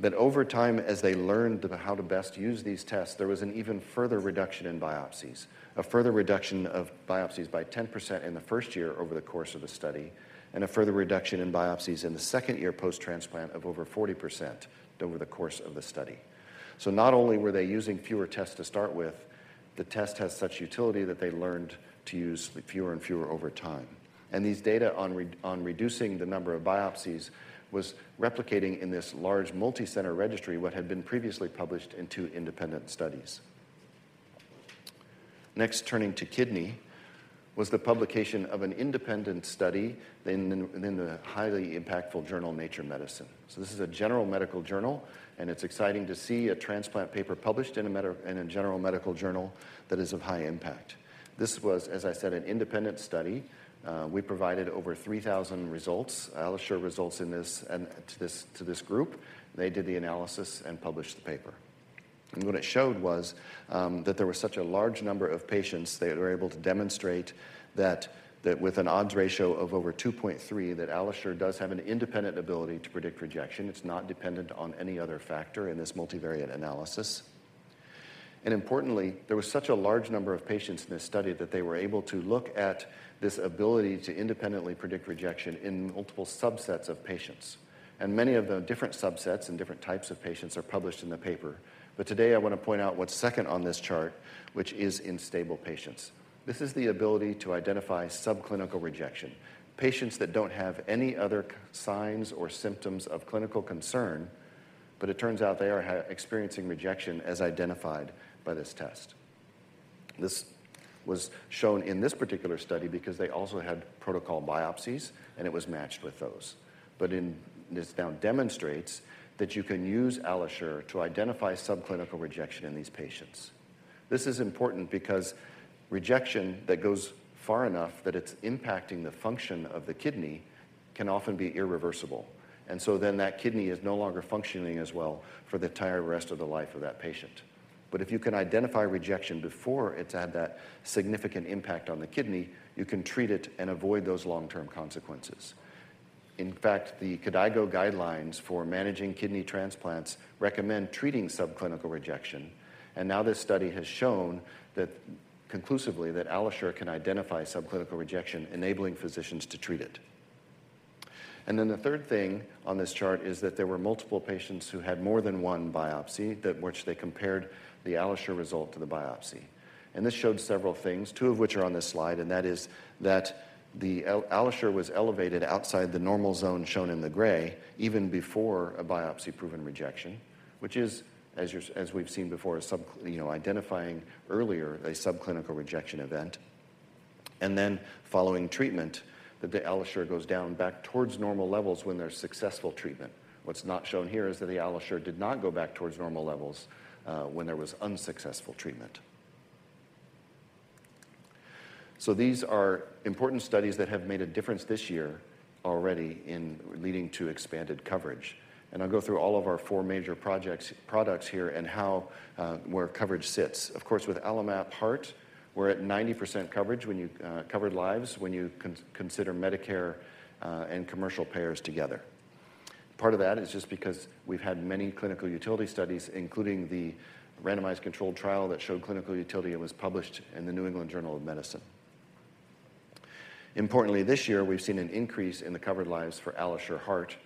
[SPEAKER 4] That over time, as they learned about how to best use these tests, there was an even further reduction in biopsies, a further reduction of biopsies by 10% in the first year over the course of the study, and a further reduction in biopsies in the second year post-transplant of over 40% over the course of the study. So not only were they using fewer tests to start with, the test has such utility that they learned to use fewer and fewer over time. These data on reducing the number of biopsies was replicating in this large multi-center registry what had been previously published in two independent studies. Next, turning to kidney, was the publication of an independent study in the highly impactful journal, Nature Medicine. So this is a general medical journal, and it's exciting to see a transplant paper published in a general medical journal that is of high impact. This was, as I said, an independent study. We provided over three thousand results, AlloSure results in this, and to this group. They did the analysis and published the paper. And what it showed was that there was such a large number of patients, they were able to demonstrate that with an odds ratio of over two point three, that AlloSure does have an independent ability to predict rejection. It's not dependent on any other factor in this multivariate analysis. Importantly, there was such a large number of patients in this study that they were able to look at this ability to independently predict rejection in multiple subsets of patients. Many of the different subsets and different types of patients are published in the paper. Today, I want to point out what's second on this chart, which is in stable patients. This is the ability to identify subclinical rejection, patients that don't have any other signs or symptoms of clinical concern, but it turns out they are experiencing rejection as identified by this test. This was shown in this particular study because they also had protocol biopsies, and it was matched with those. This now demonstrates that you can use AlloSure to identify subclinical rejection in these patients. This is important because rejection that goes far enough that it's impacting the function of the kidney, can often be irreversible, and so then that kidney is no longer functioning as well for the entire rest of the life of that patient. But if you can identify rejection before it's had that significant impact on the kidney, you can treat it and avoid those long-term consequences. In fact, the KDIGO guidelines for managing kidney transplants recommend treating subclinical rejection, and now this study has shown that, conclusively, AlloSure can identify subclinical rejection, enabling physicians to treat it. And then the third thing on this chart is that there were multiple patients who had more than one biopsy, to which they compared the AlloSure result to the biopsy. This showed several things, two of which are on this slide, and that is that the AlloSure was elevated outside the normal zone shown in the gray, even before a biopsy-proven rejection, which is, as you're, as we've seen before, a subclinical, you know, identifying earlier a subclinical rejection event. And then following treatment, the AlloSure goes down back towards normal levels when there's successful treatment. What's not shown here is that the AlloSure did not go back towards normal levels when there was unsuccessful treatment. So these are important studies that have made a difference this year already in leading to expanded coverage. And I'll go through all of our four major projects, products here and how where coverage sits. Of course, with AlloMap Heart, we're at 90% coverage when you covered lives, when you consider Medicare and commercial payers together. Part of that is just because we've had many clinical utility studies, including the randomized controlled trial that showed clinical utility and was published in the New England Journal of Medicine. Importantly, this year, we've seen an increase in the covered lives for AlloSure Heart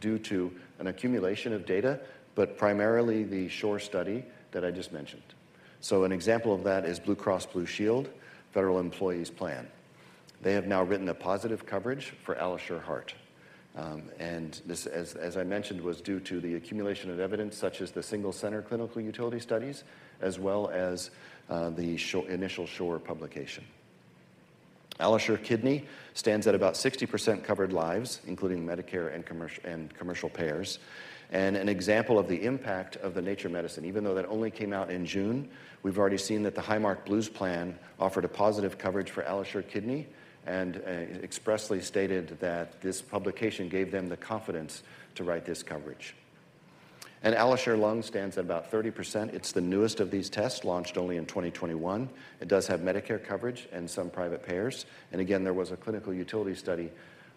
[SPEAKER 4] due to an accumulation of data, but primarily the SHORE study that I just mentioned, an example of that is Blue Cross Blue Shield Federal Employees Plan. They have now written a positive coverage for AlloSure Heart. And this, as I mentioned, was due to the accumulation of evidence, such as the single-center clinical utility studies, as well as the initial SHORE publication. AlloSure Kidney stands at about 60% covered lives, including Medicare and commercial payers. And an example of the impact of the Nature Medicine, even though that only came out in June, we've already seen that the Highmark Blues Plan offered a positive coverage for AlloSure Kidney, and expressly stated that this publication gave them the confidence to write this coverage. And AlloSure Lung stands at about 30%. It's the newest of these tests, launched only in 2021. It does have Medicare coverage and some private payers. And again, there was a clinical utility study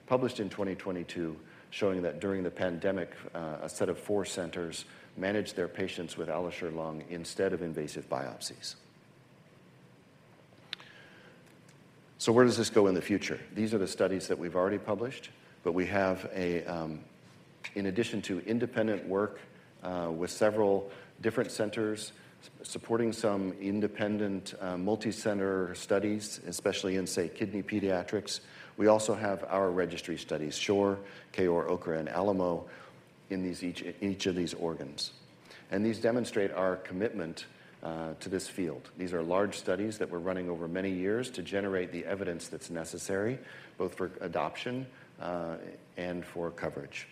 [SPEAKER 4] published in 2022 showing that during the pandemic, a set of four centers managed their patients with AlloSure Lung instead of invasive biopsies. So where does this go in the future? These are the studies that we've already published, but we have a... In addition to independent work with several different centers, supporting some independent multicenter studies, especially in, say, kidney pediatrics, we also have our registry studies, SHORE, KOAR, OKRA, and ALAMO, in each of these organs. And these demonstrate our commitment to this field. These are large studies that we're running over many years to generate the evidence that's necessary, both for adoption and for coverage.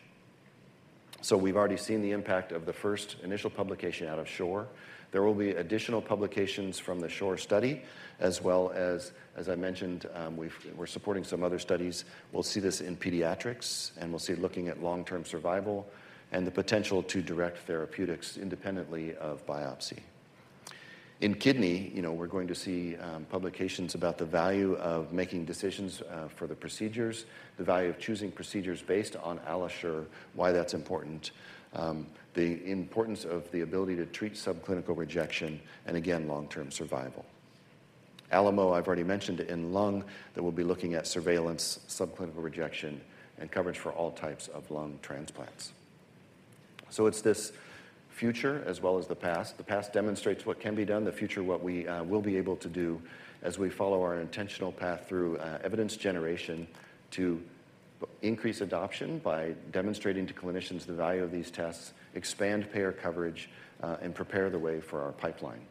[SPEAKER 4] So we've already seen the impact of the first initial publication out of SHORE. There will be additional publications from the SHORE study, as well as, as I mentioned, we're supporting some other studies. We'll see this in pediatrics, and we'll see looking at long-term survival and the potential to direct therapeutics independently of biopsy. In kidney, you know, we're going to see publications about the value of making decisions for the procedures, the value of choosing procedures based on AlloSure, why that's important, the importance of the ability to treat subclinical rejection, and again, long-term survival. ALAMO, I've already mentioned in lung, that we'll be looking at surveillance, subclinical rejection, and coverage for all types of lung transplants. So it's this future as well as the past. The past demonstrates what can be done, the future, what we will be able to do as we follow our intentional path through evidence generation to increase adoption by demonstrating to clinicians the value of these tests, expand payer coverage, and prepare the way for our pipeline.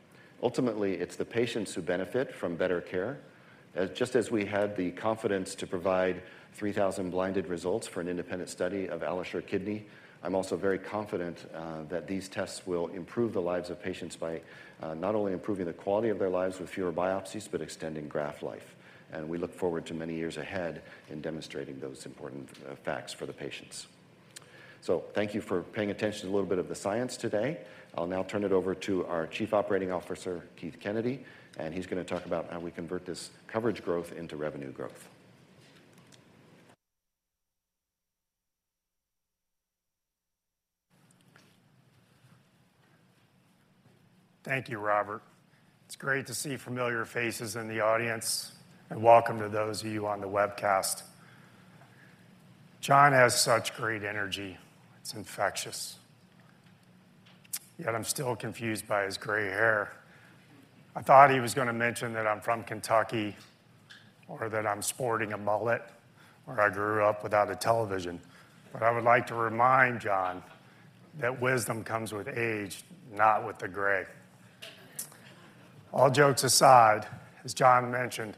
[SPEAKER 4] Ultimately, it's the patients who benefit from better care. Just as we had the confidence to provide 3,000 blinded results for an independent study of AlloSure Kidney, I'm also very confident that these tests will improve the lives of patients by not only improving the quality of their lives with fewer biopsies, but extending graft life, and we look forward to many years ahead in demonstrating those important facts for the patients, so thank you for paying attention to a little bit of the science today. I'll now turn it over to our Chief Operating Officer, Keith Kennedy, and he's going to talk about how we convert this coverage growth into revenue growth.
[SPEAKER 5] Thank you, Robert. It's great to see familiar faces in the audience, and welcome to those of you on the webcast. John has such great energy. It's infectious, yet I'm still confused by his gray hair. I thought he was going to mention that I'm from Kentucky, or that I'm sporting a mullet, or I grew up without a television. But I would like to remind John that wisdom comes with age, not with the gray. All jokes aside, as John mentioned,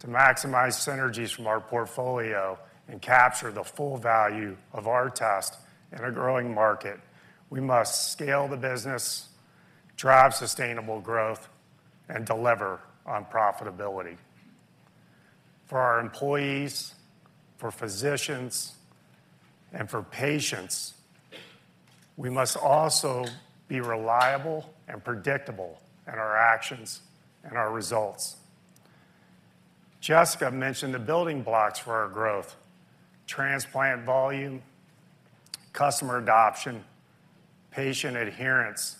[SPEAKER 5] to maximize synergies from our portfolio and capture the full value of our test in a growing market, we must scale the business, drive sustainable growth, and deliver on profitability. For our employees, for physicians, and for patients, we must also be reliable and predictable in our actions and our results. Jessica mentioned the building blocks for our growth: transplant volume, customer adoption, patient adherence,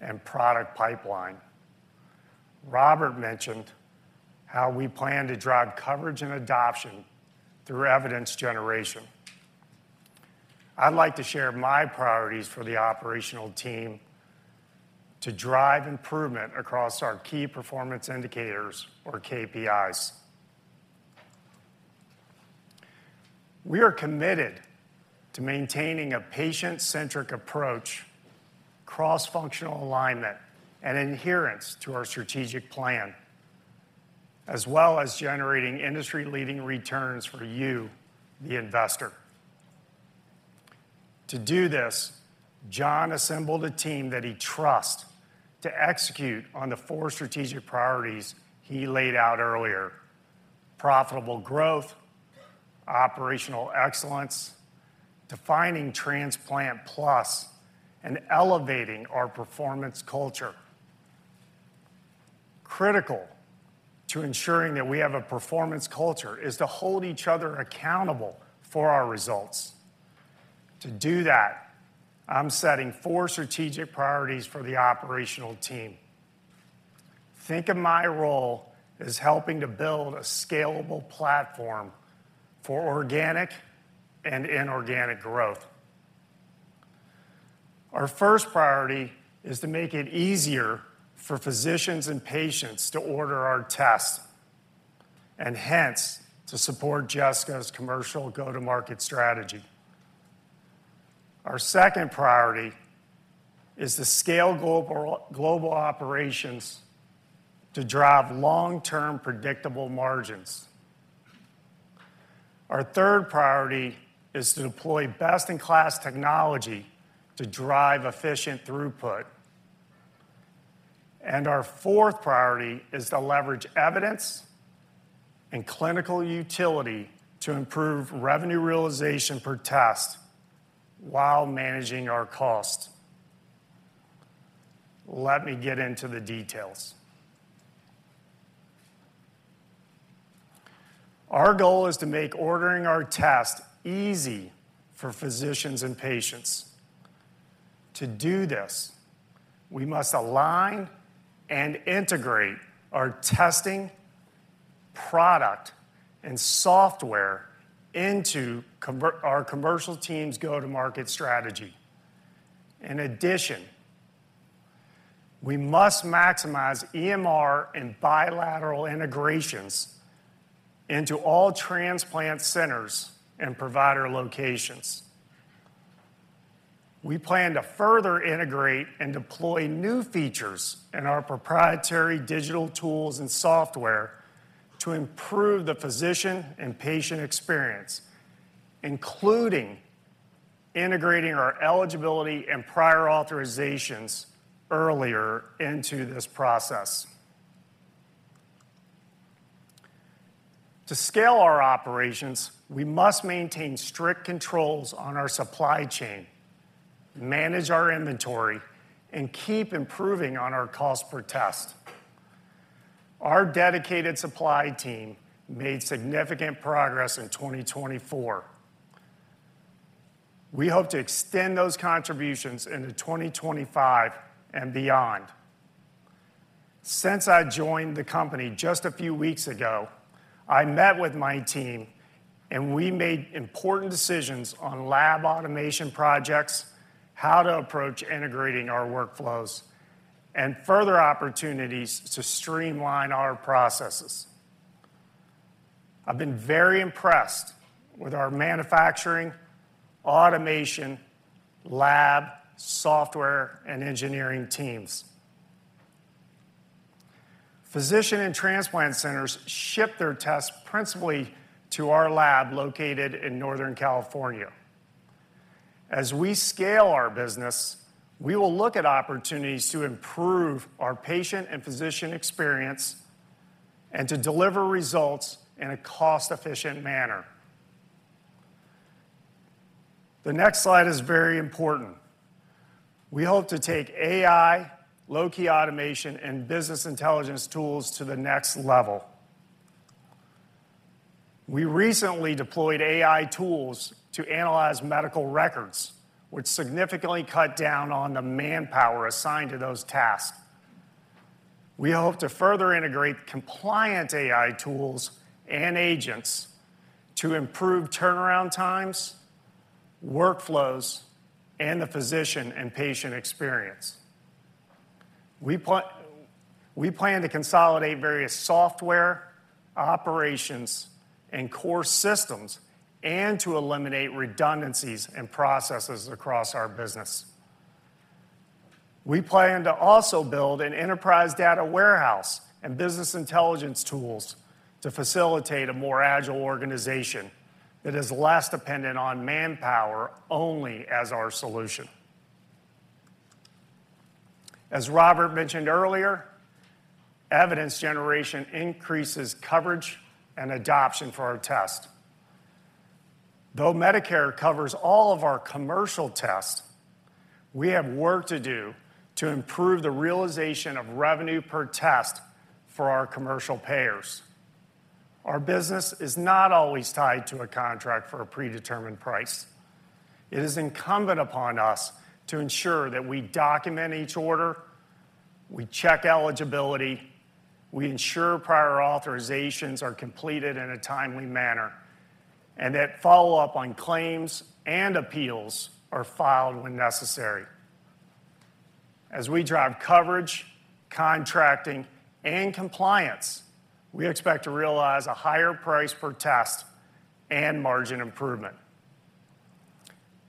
[SPEAKER 5] and product pipeline. Robert mentioned how we plan to drive coverage and adoption through evidence generation. I'd like to share my priorities for the operational team to drive improvement across our key performance indicators, or KPIs. We are committed to maintaining a patient-centric approach, cross-functional alignment, and adherence to our strategic plan, as well as generating industry-leading returns for you, the investor. To do this, John assembled a team that he trusts to execute on the four strategic priorities he laid out earlier: profitable growth, operational excellence, defining Transplant+, and elevating our performance culture. Critical to ensuring that we have a performance culture is to hold each other accountable for our results. To do that, I'm setting four strategic priorities for the operational team. Think of my role as helping to build a scalable platform for organic and inorganic growth. Our first priority is to make it easier for physicians and patients to order our tests, and hence, to support Jessica's commercial go-to-market strategy. Our second priority is to scale global operations to drive long-term predictable margins. Our third priority is to deploy best-in-class technology to drive efficient throughput. And our fourth priority is to leverage evidence and clinical utility to improve revenue realization per test while managing our cost. Let me get into the details. Our goal is to make ordering our test easy for physicians and patients. To do this, we must align and integrate our testing, product, and software into our commercial team's go-to-market strategy. In addition, we must maximize EMR and bilateral integrations into all transplant centers and provider locations. We plan to further integrate and deploy new features in our proprietary digital tools and software to improve the physician and patient experience, including integrating our eligibility and prior authorizations earlier into this process. To scale our operations, we must maintain strict controls on our supply chain, manage our inventory, and keep improving on our cost per test. Our dedicated supply team made significant progress in 2024. We hope to extend those contributions into 2025 and beyond. Since I joined the company just a few weeks ago, I met with my team, and we made important decisions on lab automation projects, how to approach integrating our workflows, and further opportunities to streamline our processes. I've been very impressed with our manufacturing, automation, lab, software, and engineering teams. Physicians and transplant centers ship their tests principally to our lab, located in Northern California. As we scale our business, we will look at opportunities to improve our patient and physician experience and to deliver results in a cost-efficient manner. The next slide is very important. We hope to take AI, low-code automation, and business intelligence tools to the next level. We recently deployed AI tools to analyze medical records, which significantly cut down on the manpower assigned to those tasks. We hope to further integrate compliant AI tools and agents to improve turnaround times, workflows, and the physician and patient experience. We plan to consolidate various software, operations, and core systems, and to eliminate redundancies and processes across our business. We plan to also build an enterprise data warehouse and business intelligence tools to facilitate a more agile organization that is less dependent on manpower only as our solution. As Robert mentioned earlier, evidence generation increases coverage and adoption for our test. Though Medicare covers all of our commercial tests, we have work to do to improve the realization of revenue per test for our commercial payers. Our business is not always tied to a contract for a predetermined price. It is incumbent upon us to ensure that we document each order, we check eligibility, we ensure prior authorizations are completed in a timely manner, and that follow-up on claims and appeals are filed when necessary. As we drive coverage, contracting, and compliance, we expect to realize a higher price per test and margin improvement.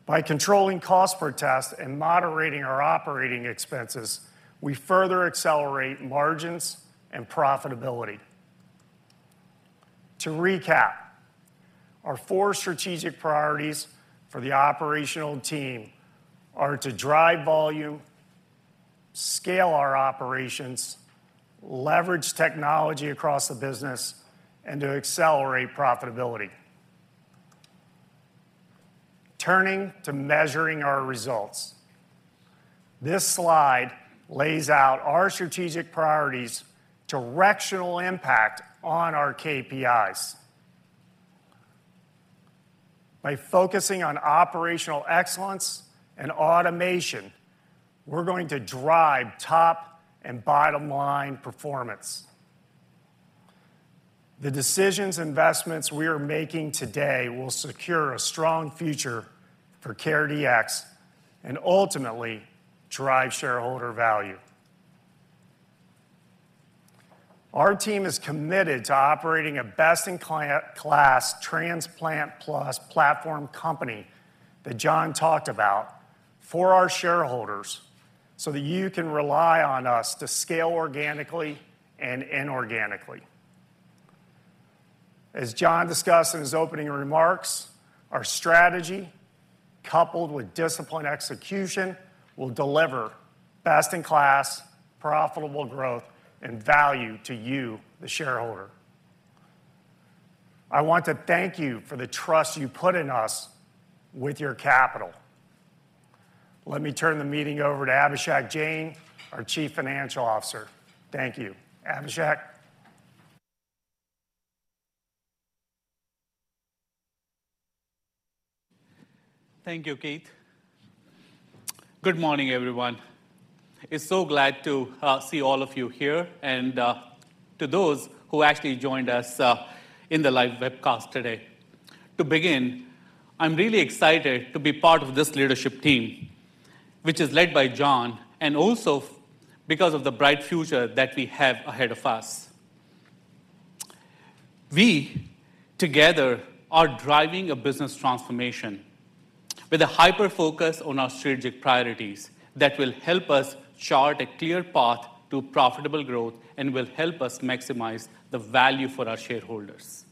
[SPEAKER 5] By controlling cost per test and moderating our operating expenses, we further accelerate margins and profitability. To recap, our four strategic priorities for the operational team are to drive volume, scale our operations, leverage technology across the business, and to accelerate profitability. Turning to measuring our results, this slide lays out our strategic priorities' directional impact on our KPIs. By focusing on operational excellence and automation, we're going to drive top and bottom line performance. The decisions, investments we are making today will secure a strong future for CareDx, and ultimately drive shareholder value. Our team is committed to operating a best-in-class transplant plus platform company, that John talked about, for our shareholders, so that you can rely on us to scale organically and inorganically. As John discussed in his opening remarks, our strategy, coupled with disciplined execution, will deliver best-in-class, profitable growth and value to you, the shareholder. I want to thank you for the trust you put in us with your capital. Let me turn the meeting over to Abhishek Jain, our Chief Financial Officer. Thank you. Abhishek?
[SPEAKER 6] Thank you, Keith. Good morning, everyone. I'm so glad to see all of you here and to those who actually joined us in the live webcast today. To begin, I'm really excited to be part of this leadership team, which is led by John, and also because of the bright future that we have ahead of us. We, together, are driving a business transformation with a hyper-focus on our strategic priorities that will help us chart a clear path to profitable growth and will help us maximize the value for our shareholders.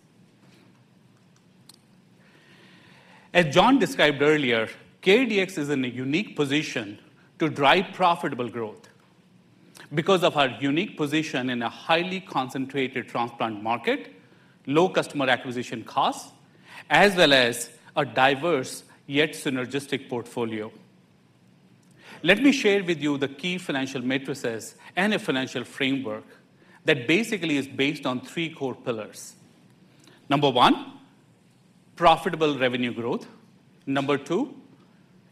[SPEAKER 6] As John described earlier, CareDx is in a unique position to drive profitable growth because of our unique position in a highly concentrated transplant market, low customer acquisition costs, as well as a diverse, yet synergistic portfolio. Let me share with you the key financial metrics and a financial framework that basically is based on three core pillars. Number one, profitable revenue growth. Number two,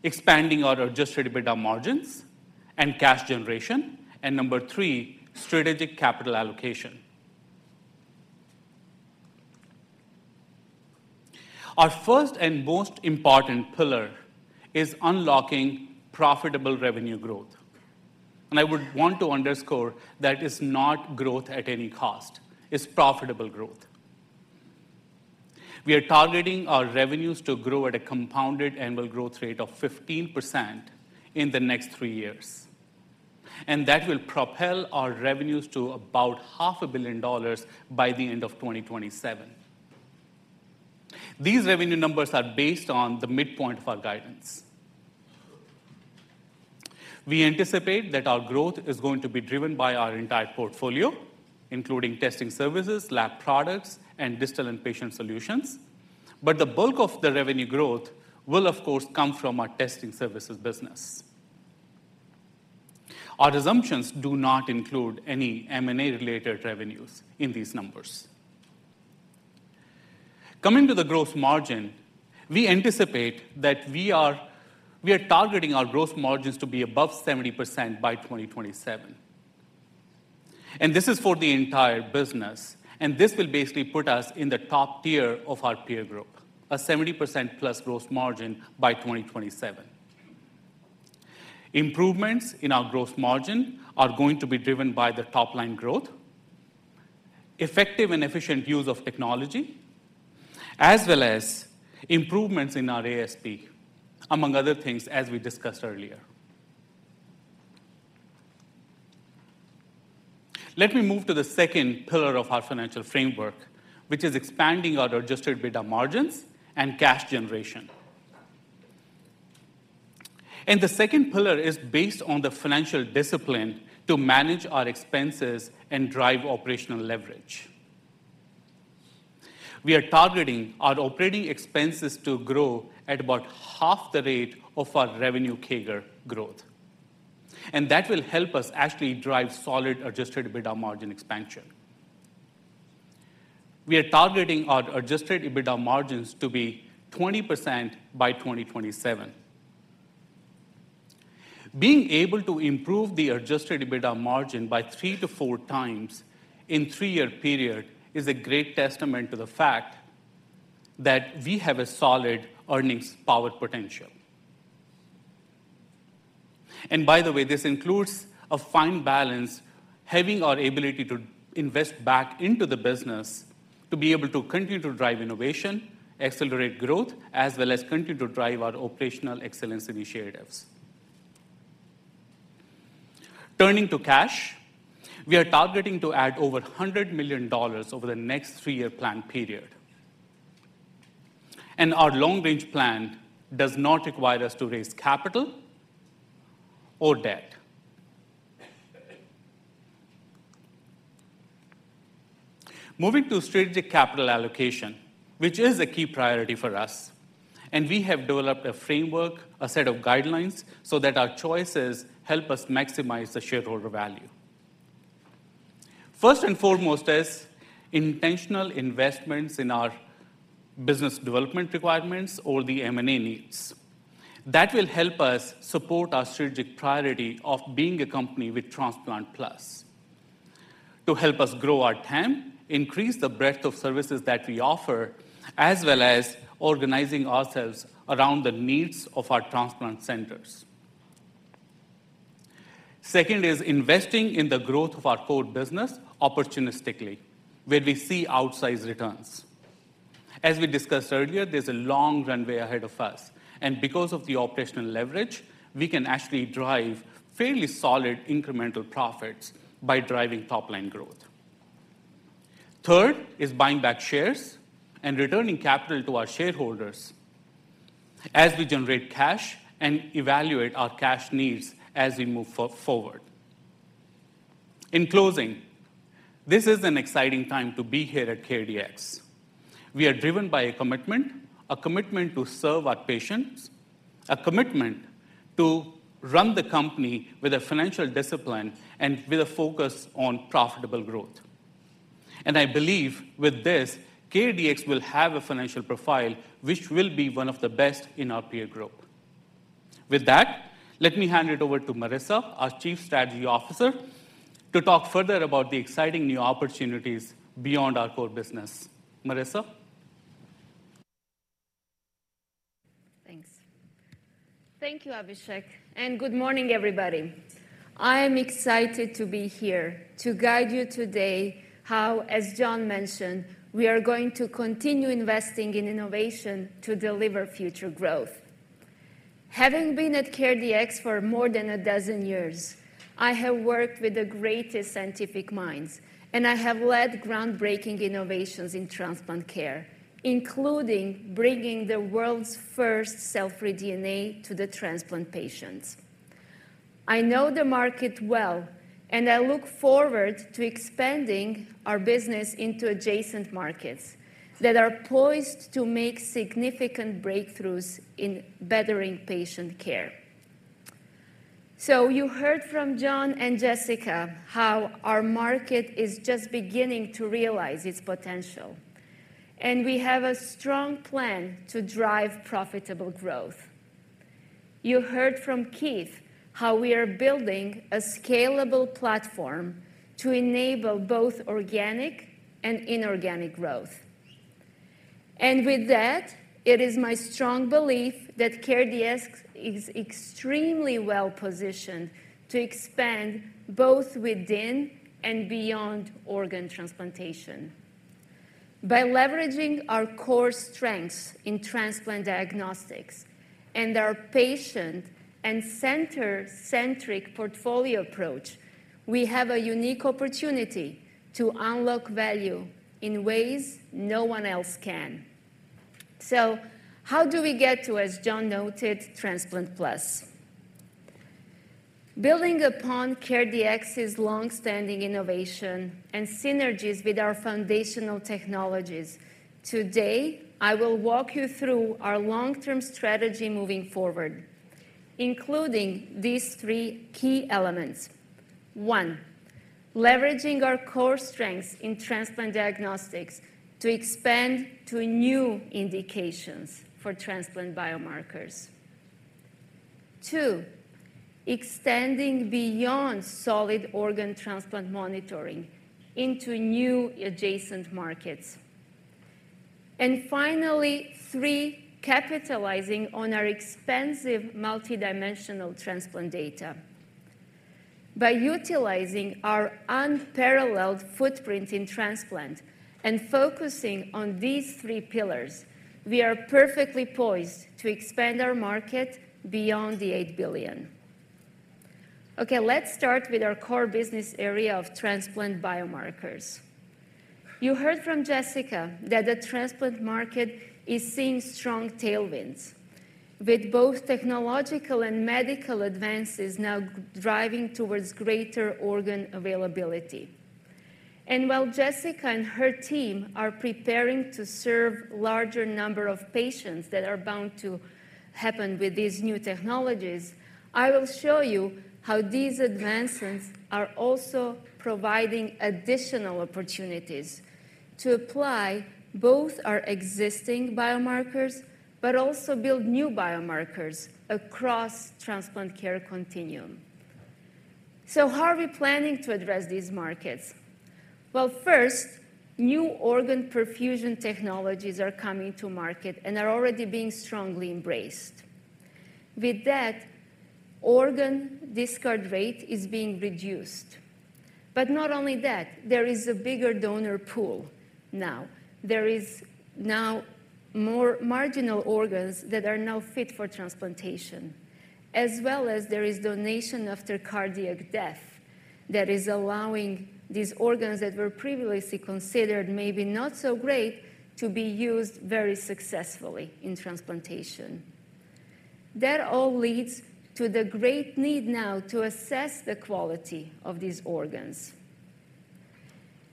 [SPEAKER 6] expanding our adjusted EBITDA margins and cash generation, and number three, strategic capital allocation. Our first and most important pillar is unlocking profitable revenue growth, and I would want to underscore that it's not growth at any cost, it's profitable growth. We are targeting our revenues to grow at a compounded annual growth rate of 15% in the next three years, and that will propel our revenues to about $500 million by the end of 2027. These revenue numbers are based on the midpoint of our guidance. We anticipate that our growth is going to be driven by our entire portfolio, including testing services, lab products, and digital and patient solutions, but the bulk of the revenue growth will, of course, come from our testing services business. Our assumptions do not include any M&A-related revenues in these numbers. Coming to the gross margin, we anticipate that we are targeting our gross margins to be above 70% by 2027, and this is for the entire business. This will basically put us in the top tier of our peer group, a 70% plus gross margin by 2027. Improvements in our gross margin are going to be driven by the top-line growth, effective and efficient use of technology, as well as improvements in our ASP, among other things, as we discussed earlier. Let me move to the second pillar of our financial framework, which is expanding our adjusted EBITDA margins and cash generation and the second pillar is based on the financial discipline to manage our expenses and drive operational leverage. We are targeting our operating expenses to grow at about half the rate of our revenue CAGR growth, and that will help us actually drive solid adjusted EBITDA margin expansion. We are targeting our adjusted EBITDA margins to be 20% by 2027. Being able to improve the adjusted EBITDA margin by three to four times in three-year period is a great testament to the fact that we have a solid earnings power potential. And by the way, this includes a fine balance, having our ability to invest back into the business, to be able to continue to drive innovation, accelerate growth, as well as continue to drive our operational excellence initiatives. Turning to cash, we are targeting to add over $100 million over the next three-year plan period. And our long-range plan does not require us to raise capital or debt. Moving to strategic capital allocation, which is a key priority for us, and we have developed a framework, a set of guidelines, so that our choices help us maximize the shareholder value. First and foremost is intentional investments in our business development requirements or the M&A needs. That will help us support our strategic priority of being a company with Transplant+. To help us grow our TAM, increase the breadth of services that we offer, as well as organizing ourselves around the needs of our transplant centers. Second is investing in the growth of our core business opportunistically, where we see outsized returns. As we discussed earlier, there's a long runway ahead of us, and because of the operational leverage, we can actually drive fairly solid incremental profits by driving top-line growth. Third is buying back shares and returning capital to our shareholders as we generate cash and evaluate our cash needs as we move forward. In closing, this is an exciting time to be here at CareDx. We are driven by a commitment, a commitment to serve our patients, a commitment to run the company with a financial discipline and with a focus on profitable growth. I believe with this, CareDx will have a financial profile, which will be one of the best in our peer group. With that, let me hand it over to Marica, our Chief Strategy Officer, to talk further about the exciting new opportunities beyond our core business. Marica?
[SPEAKER 7] Thanks. Thank you, Abhishek, and good morning, everybody. I am excited to be here to guide you today. How, as John mentioned, we are going to continue investing in innovation to deliver future growth. Having been at CareDx for more than a dozen years, I have worked with the greatest scientific minds, and I have led groundbreaking innovations in transplant care, including bringing the world's first cell-free DNA to the transplant patients. I know the market well, and I look forward to expanding our business into adjacent markets that are poised to make significant breakthroughs in bettering patient care. So you heard from John and Jessica how our market is just beginning to realize its potential, and we have a strong plan to drive profitable growth. You heard from Keith how we are building a scalable platform to enable both organic and inorganic growth. And with that, it is my strong belief that CareDx is extremely well-positioned to expand both within and beyond organ transplantation. By leveraging our core strengths in transplant diagnostics and our patient and center-centric portfolio approach, we have a unique opportunity to unlock value in ways no one else can. So how do we get to, as John noted, Transplant+? Building upon CareDx's long-standing innovation and synergies with our foundational technologies, today, I will walk you through our long-term strategy moving forward, including these three key elements: One, leveraging our core strengths in transplant diagnostics to expand to new indications for transplant biomarkers. Two, extending beyond solid organ transplant monitoring into new adjacent markets. And finally, three, capitalizing on our expansive multidimensional transplant data. By utilizing our unparalleled footprint in transplant and focusing on these three pillars, we are perfectly poised to expand our market beyond the eight billion. Okay, let's start with our core business area of transplant biomarkers. You heard from Jessica that the transplant market is seeing strong tailwinds, with both technological and medical advances now driving towards greater organ availability. And while Jessica and her team are preparing to serve larger number of patients that are bound to happen with these new technologies, I will show you how these advancements are also providing additional opportunities to apply both our existing biomarkers, but also build new biomarkers across transplant care continuum. So how are we planning to address these markets? Well, first, new organ perfusion technologies are coming to market and are already being strongly embraced. With that, organ discard rate is being reduced. But not only that, there is a bigger donor pool now. There is now more marginal organs that are now fit for transplantation, as well as there is donation after cardiac death that is allowing these organs that were previously considered maybe not so great, to be used very successfully in transplantation. That all leads to the great need now to assess the quality of these organs.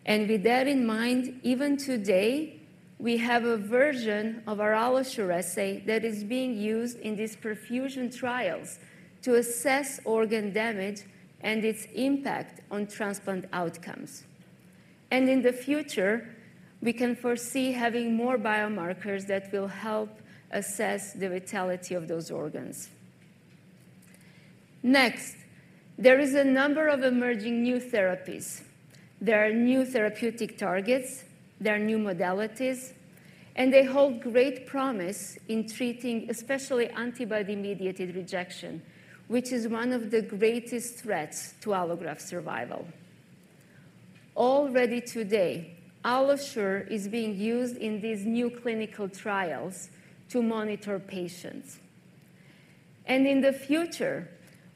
[SPEAKER 7] And with that in mind, even today, we have a version of our AlloSure assay that is being used in these perfusion trials to assess organ damage and its impact on transplant outcomes. And in the future, we can foresee having more biomarkers that will help assess the vitality of those organs. Next, there is a number of emerging new therapies. There are new therapeutic targets, there are new modalities, and they hold great promise in treating especially antibody-mediated rejection, which is one of the greatest threats to allograft survival. Already today, AlloSure is being used in these new clinical trials to monitor patients. And in the future,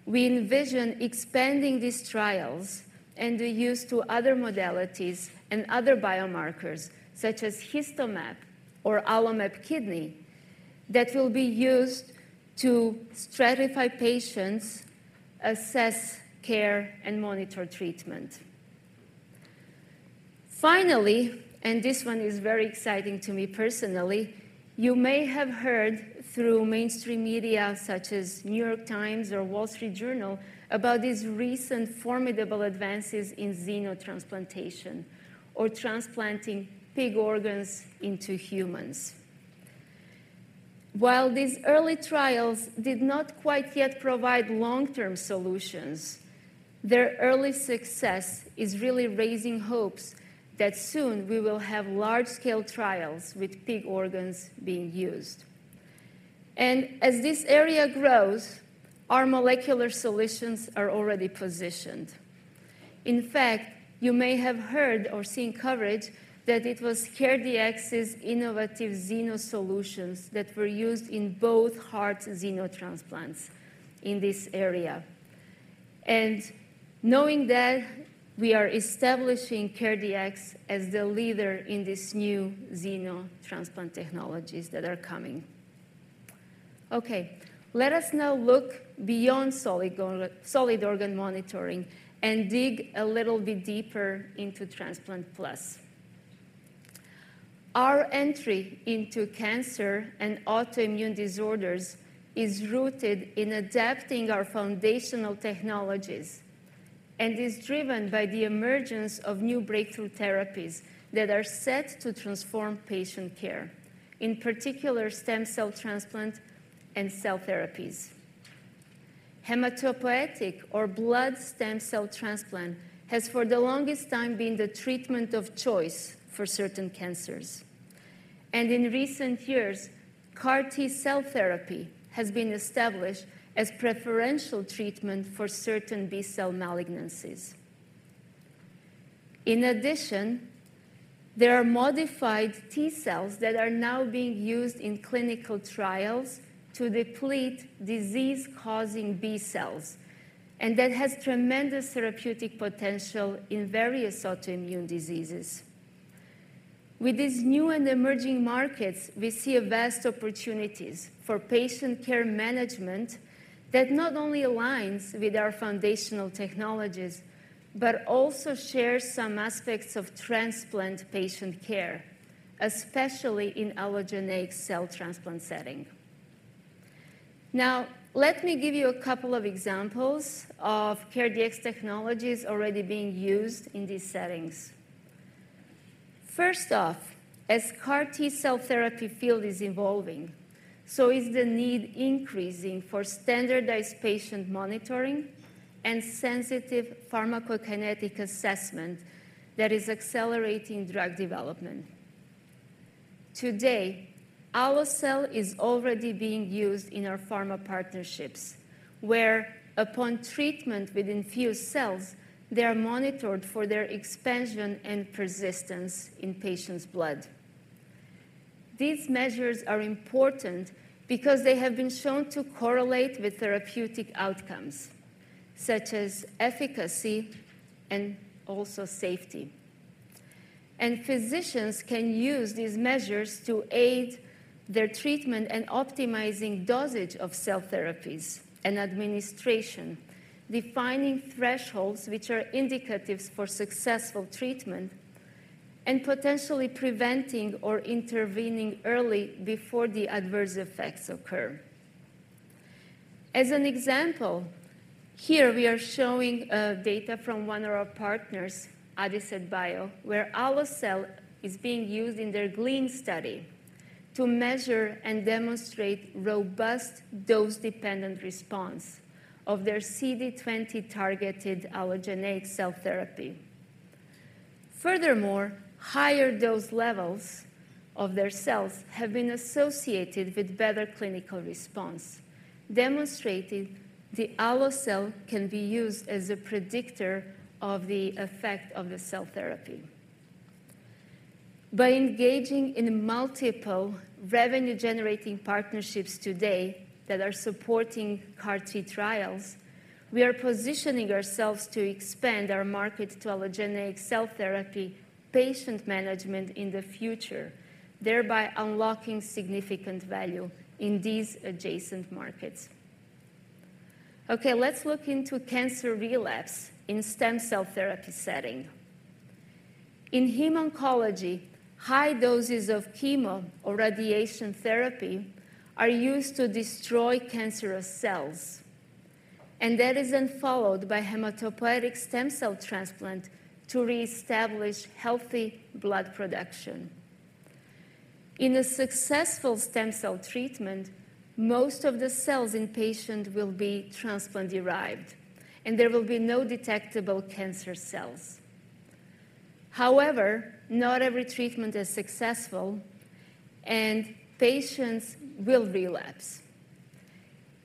[SPEAKER 7] we envision expanding these trials and the use to other modalities and other biomarkers, such as HistoMap or AlloMap Kidney, that will be used to stratify patients, assess care, and monitor treatment. Finally, and this one is very exciting to me personally, you may have heard through mainstream media, such as New York Times or Wall Street Journal, about these recent formidable advances in xenotransplantation or transplanting pig organs into humans. While these early trials did not quite yet provide long-term solutions, their early success is really raising hopes that soon we will have large-scale trials with pig organs being used. And as this area grows, our molecular solutions are already positioned. In fact, you may have heard or seen coverage that it was CareDx's innovative xeno solutions that were used in both heart xenotransplants in this area. And knowing that, we are establishing CareDx as the leader in this new xeno transplant technologies that are coming. Okay, let us now look beyond solid organ monitoring and dig a little bit deeper into Transplant+. Our entry into cancer and autoimmune disorders is rooted in adapting our foundational technologies, and is driven by the emergence of new breakthrough therapies that are set to transform patient care, in particular, stem cell transplant and cell therapies. Hematopoietic or blood stem cell transplant has for the longest time been the treatment of choice for certain cancers. And in recent years, CAR T-cell therapy has been established as preferential treatment for certain B-cell malignancies. In addition, there are modified T-cells that are now being used in clinical trials to deplete disease-causing B-cells, and that has tremendous therapeutic potential in various autoimmune diseases. With these new and emerging markets, we see vast opportunities for patient care management that not only aligns with our foundational technologies, but also shares some aspects of transplant patient care, especially in allogeneic cell transplant setting. Now, let me give you a couple of examples of CareDx technologies already being used in these settings. First off, as CAR T-cell therapy field is evolving, so is the need increasing for standardized patient monitoring and sensitive pharmacokinetic assessment that is accelerating drug development. Today, AlloCell is already being used in our pharma partnerships, where upon treatment with infused cells, they are monitored for their expansion and persistence in patients' blood. These measures are important because they have been shown to correlate with therapeutic outcomes, such as efficacy and also safety, and physicians can use these measures to aid their treatment and optimizing dosage of cell therapies and administration, defining thresholds which are indicative for successful treatment, and potentially preventing or intervening early before the adverse effects occur. As an example, here we are showing data from one of our partners, Adicet Bio, where AlloCell is being used in their GLEAN study to measure and demonstrate robust dose-dependent response of their CD20-targeted allogeneic cell therapy. Furthermore, higher dose levels of their cells have been associated with better clinical response, demonstrating the AlloCell can be used as a predictor of the effect of the cell therapy. By engaging in multiple revenue-generating partnerships today that are supporting CAR T trials, we are positioning ourselves to expand our market to allogeneic cell therapy patient management in the future, thereby unlocking significant value in these adjacent markets. Okay, let's look into cancer relapse in stem cell therapy setting. In hemoncology, high doses of chemo or radiation therapy are used to destroy cancerous cells, and that is then followed by hematopoietic stem cell transplant to reestablish healthy blood production. In a successful stem cell treatment, most of the cells in patient will be transplant-derived, and there will be no detectable cancer cells. However, not every treatment is successful, and patients will relapse.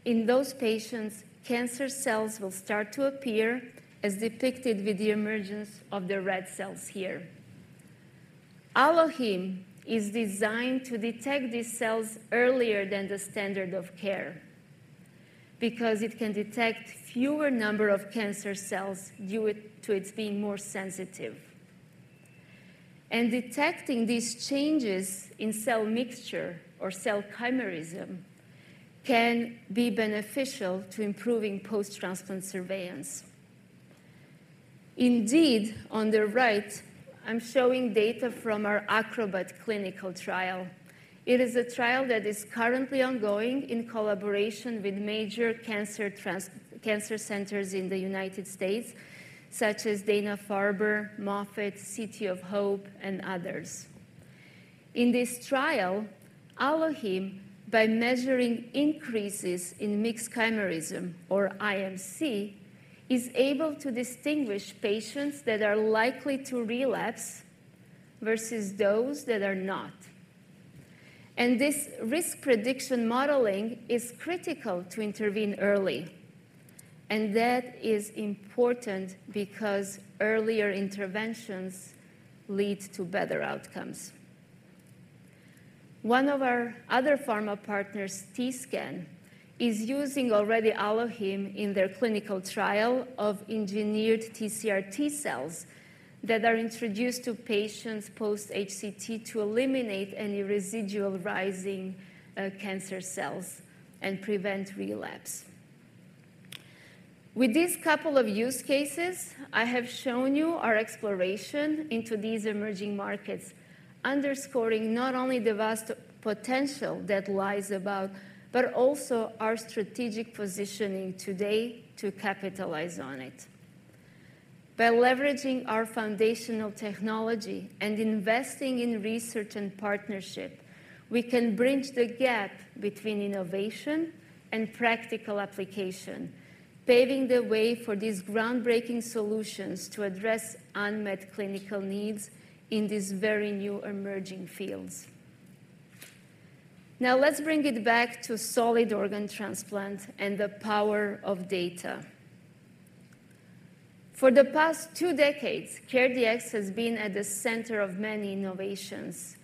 [SPEAKER 7] In those patients, cancer cells will start to appear, as depicted with the emergence of the red cells here. AlloHeme is designed to detect these cells earlier than the standard of care because it can detect fewer number of cancer cells due to its being more sensitive. And detecting these changes in cell mixture or cell chimerism can be beneficial to improving post-transplant surveillance. Indeed, on the right, I'm showing data from our ACROBAT clinical trial. It is a trial that is currently ongoing in collaboration with major cancer centers in the United States, such as Dana-Farber, Moffitt, City of Hope, and others. In this trial, AlloHeme, by measuring increases in mixed chimerism, or IMC, is able to distinguish patients that are likely to relapse versus those that are not. And this risk prediction modeling is critical to intervene early, and that is important because earlier interventions lead to better outcomes. One of our other pharma partners, T-Scan, is using already AlloHeme in their clinical trial of engineered TCR T-cells that are introduced to patients post-HCT to eliminate any residual rising cancer cells and prevent relapse. With these couple of use cases, I have shown you our exploration into these emerging markets, underscoring not only the vast potential that lies ahead, but also our strategic positioning today to capitalize on it. By leveraging our foundational technology and investing in research and partnership, we can bridge the gap between innovation and practical application, paving the way for these groundbreaking solutions to address unmet clinical needs in these very new emerging fields. Now, let's bring it back to solid organ transplant and the power of data. For the past two decades, CareDx has been at the center of many innovations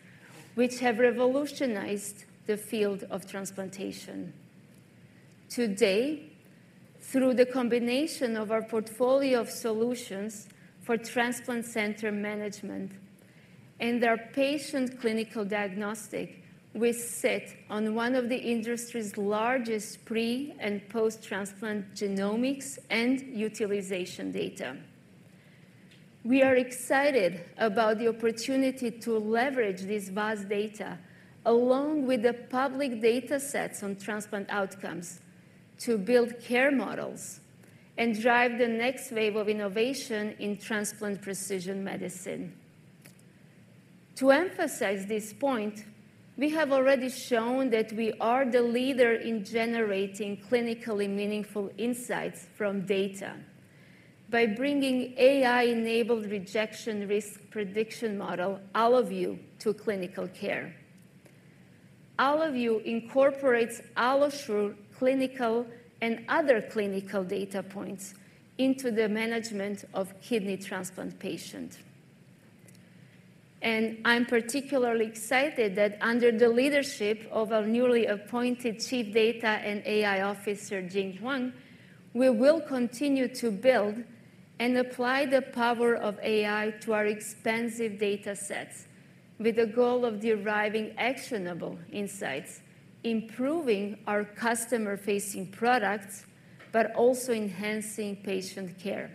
[SPEAKER 7] which have revolutionized the field of transplantation. Today, through the combination of our portfolio of solutions for transplant center management and our patient clinical diagnostic, we sit on one of the industry's largest pre- and post-transplant genomics and utilization data. We are excited about the opportunity to leverage this vast data, along with the public datasets on transplant outcomes, to build care models and drive the next wave of innovation in transplant precision medicine. To emphasize this point, we have already shown that we are the leader in generating clinically meaningful insights from data by bringing AI-enabled rejection risk prediction model, AlloView, to clinical care. AlloView incorporates AlloSure, clinical, and other clinical data points into the management of kidney transplant patient. And I'm particularly excited that under the leadership of our newly appointed Chief Data and AI Officer, Jing Huang, we will continue to build and apply the power of AI to our expansive datasets, with the goal of deriving actionable insights, improving our customer-facing products, but also enhancing patient care.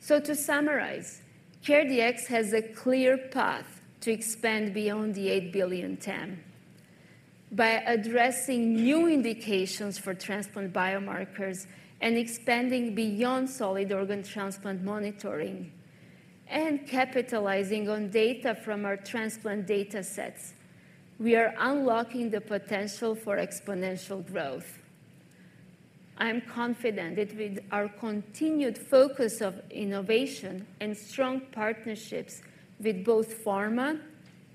[SPEAKER 7] So to summarize, CareDx has a clear path to expand beyond the eight billion TAM. By addressing new indications for transplant biomarkers and expanding beyond solid organ transplant monitoring and capitalizing on data from our transplant data sets, we are unlocking the potential for exponential growth. I am confident that with our continued focus of innovation and strong partnerships with both pharma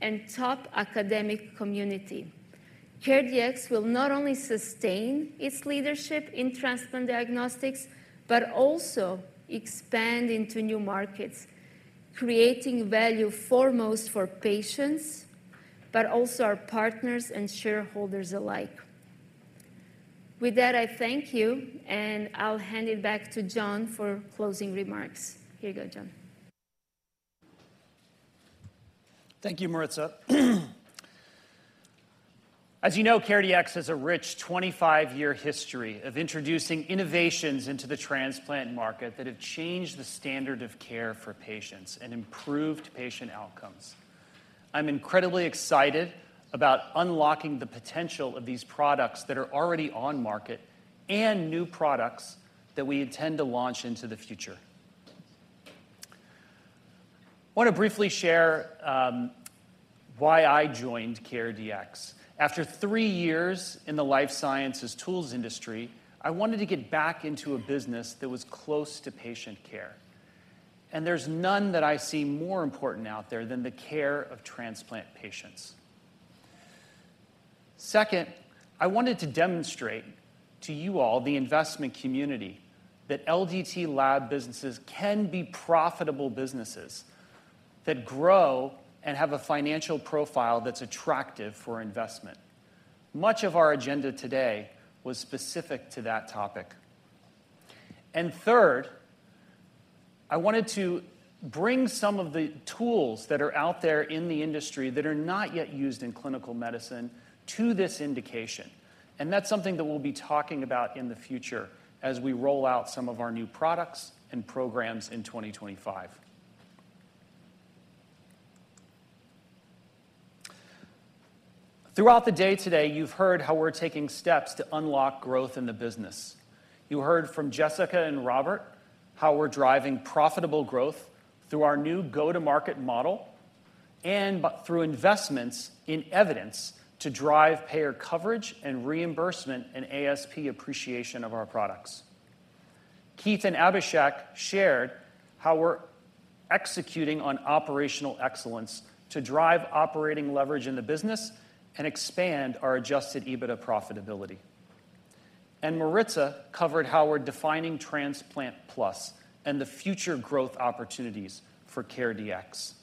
[SPEAKER 7] and top academic community, CareDx will not only sustain its leadership in transplant diagnostics, but also expand into new markets, creating value foremost for patients, but also our partners and shareholders alike. With that, I thank you, and I'll hand it back to John for closing remarks. Here you go, John.
[SPEAKER 2] Thank you, Marica. As you know, CareDx has a rich twenty-five-year history of introducing innovations into the transplant market that have changed the standard of care for patients and improved patient outcomes. I'm incredibly excited about unlocking the potential of these products that are already on market and new products that we intend to launch into the future. I want to briefly share why I joined CareDx. After three years in the life sciences tools industry, I wanted to get back into a business that was close to patient care, and there's none that I see more important out there than the care of transplant patients. Second, I wanted to demonstrate to you all, the investment community, that LDT lab businesses can be profitable businesses that grow and have a financial profile that's attractive for investment. Much of our agenda today was specific to that topic. Third, I wanted to bring some of the tools that are out there in the industry that are not yet used in clinical medicine to this indication, and that's something that we'll be talking about in the future as we roll out some of our new products and programs in 2025. Throughout the day today, you've heard how we're taking steps to unlock growth in the business. You heard from Jessica and Robert how we're driving profitable growth through our new go-to-market model and through investments in evidence to drive payer coverage and reimbursement and ASP appreciation of our products. Keith and Abhishek shared how we're executing on operational excellence to drive operating leverage in the business and expand our adjusted EBITDA profitability. Marica covered how we're defining Transplant+ and the future growth opportunities for CareDx.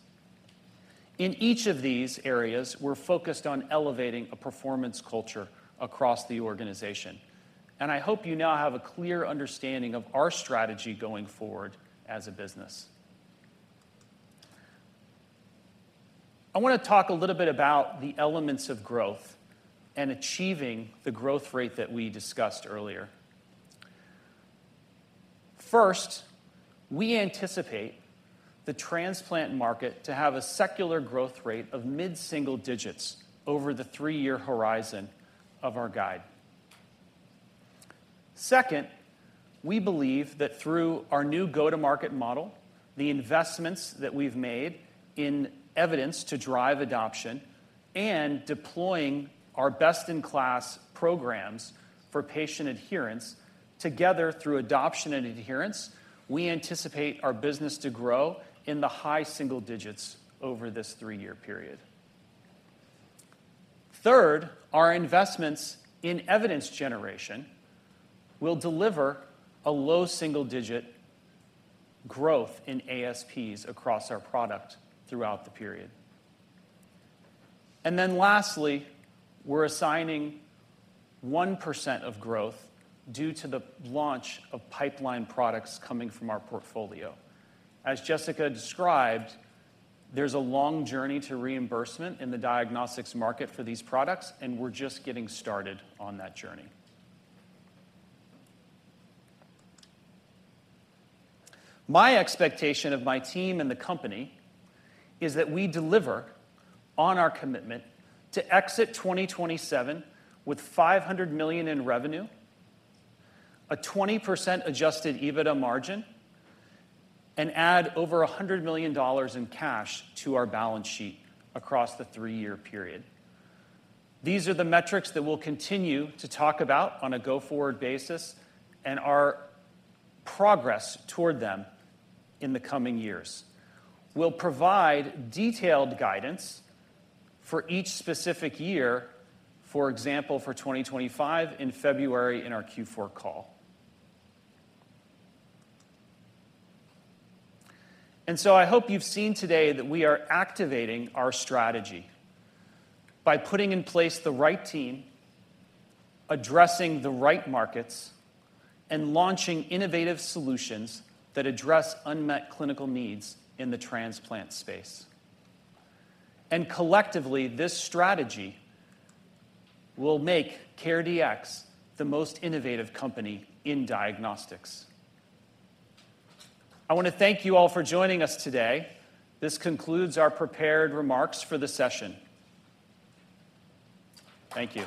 [SPEAKER 2] In each of these areas, we're focused on elevating a performance culture across the organization, and I hope you now have a clear understanding of our strategy going forward as a business. I want to talk a little bit about the elements of growth and achieving the growth rate that we discussed earlier. First, we anticipate the transplant market to have a secular growth rate of mid-single digits over the three-year horizon of our guide. Second, we believe that through our new go-to-market model, the investments that we've made in evidence to drive adoption and deploying our best-in-class programs for patient adherence, together through adoption and adherence, we anticipate our business to grow in the high single digits over this three-year period. Third, our investments in evidence generation will deliver a low single-digit growth in ASPs across our product throughout the period. And then lastly, we're assigning 1% of growth due to the launch of pipeline products coming from our portfolio. As Jessica described, there's a long journey to reimbursement in the diagnostics market for these products, and we're just getting started on that journey. My expectation of my team and the company is that we deliver on our commitment to exit 2027 with $500 million in revenue, a 20% adjusted EBITDA margin, and add over $100 million in cash to our balance sheet across the three-year period. These are the metrics that we'll continue to talk about on a go-forward basis and our progress toward them in the coming years. We'll provide detailed guidance for each specific year, for example, for 2025 in February in our Q4 call. And so I hope you've seen today that we are activating our strategy by putting in place the right team, addressing the right markets, and launching innovative solutions that address unmet clinical needs in the transplant space. And collectively, this strategy will make CareDx the most innovative company in diagnostics. I want to thank you all for joining us today. This concludes our prepared remarks for the session. Thank you.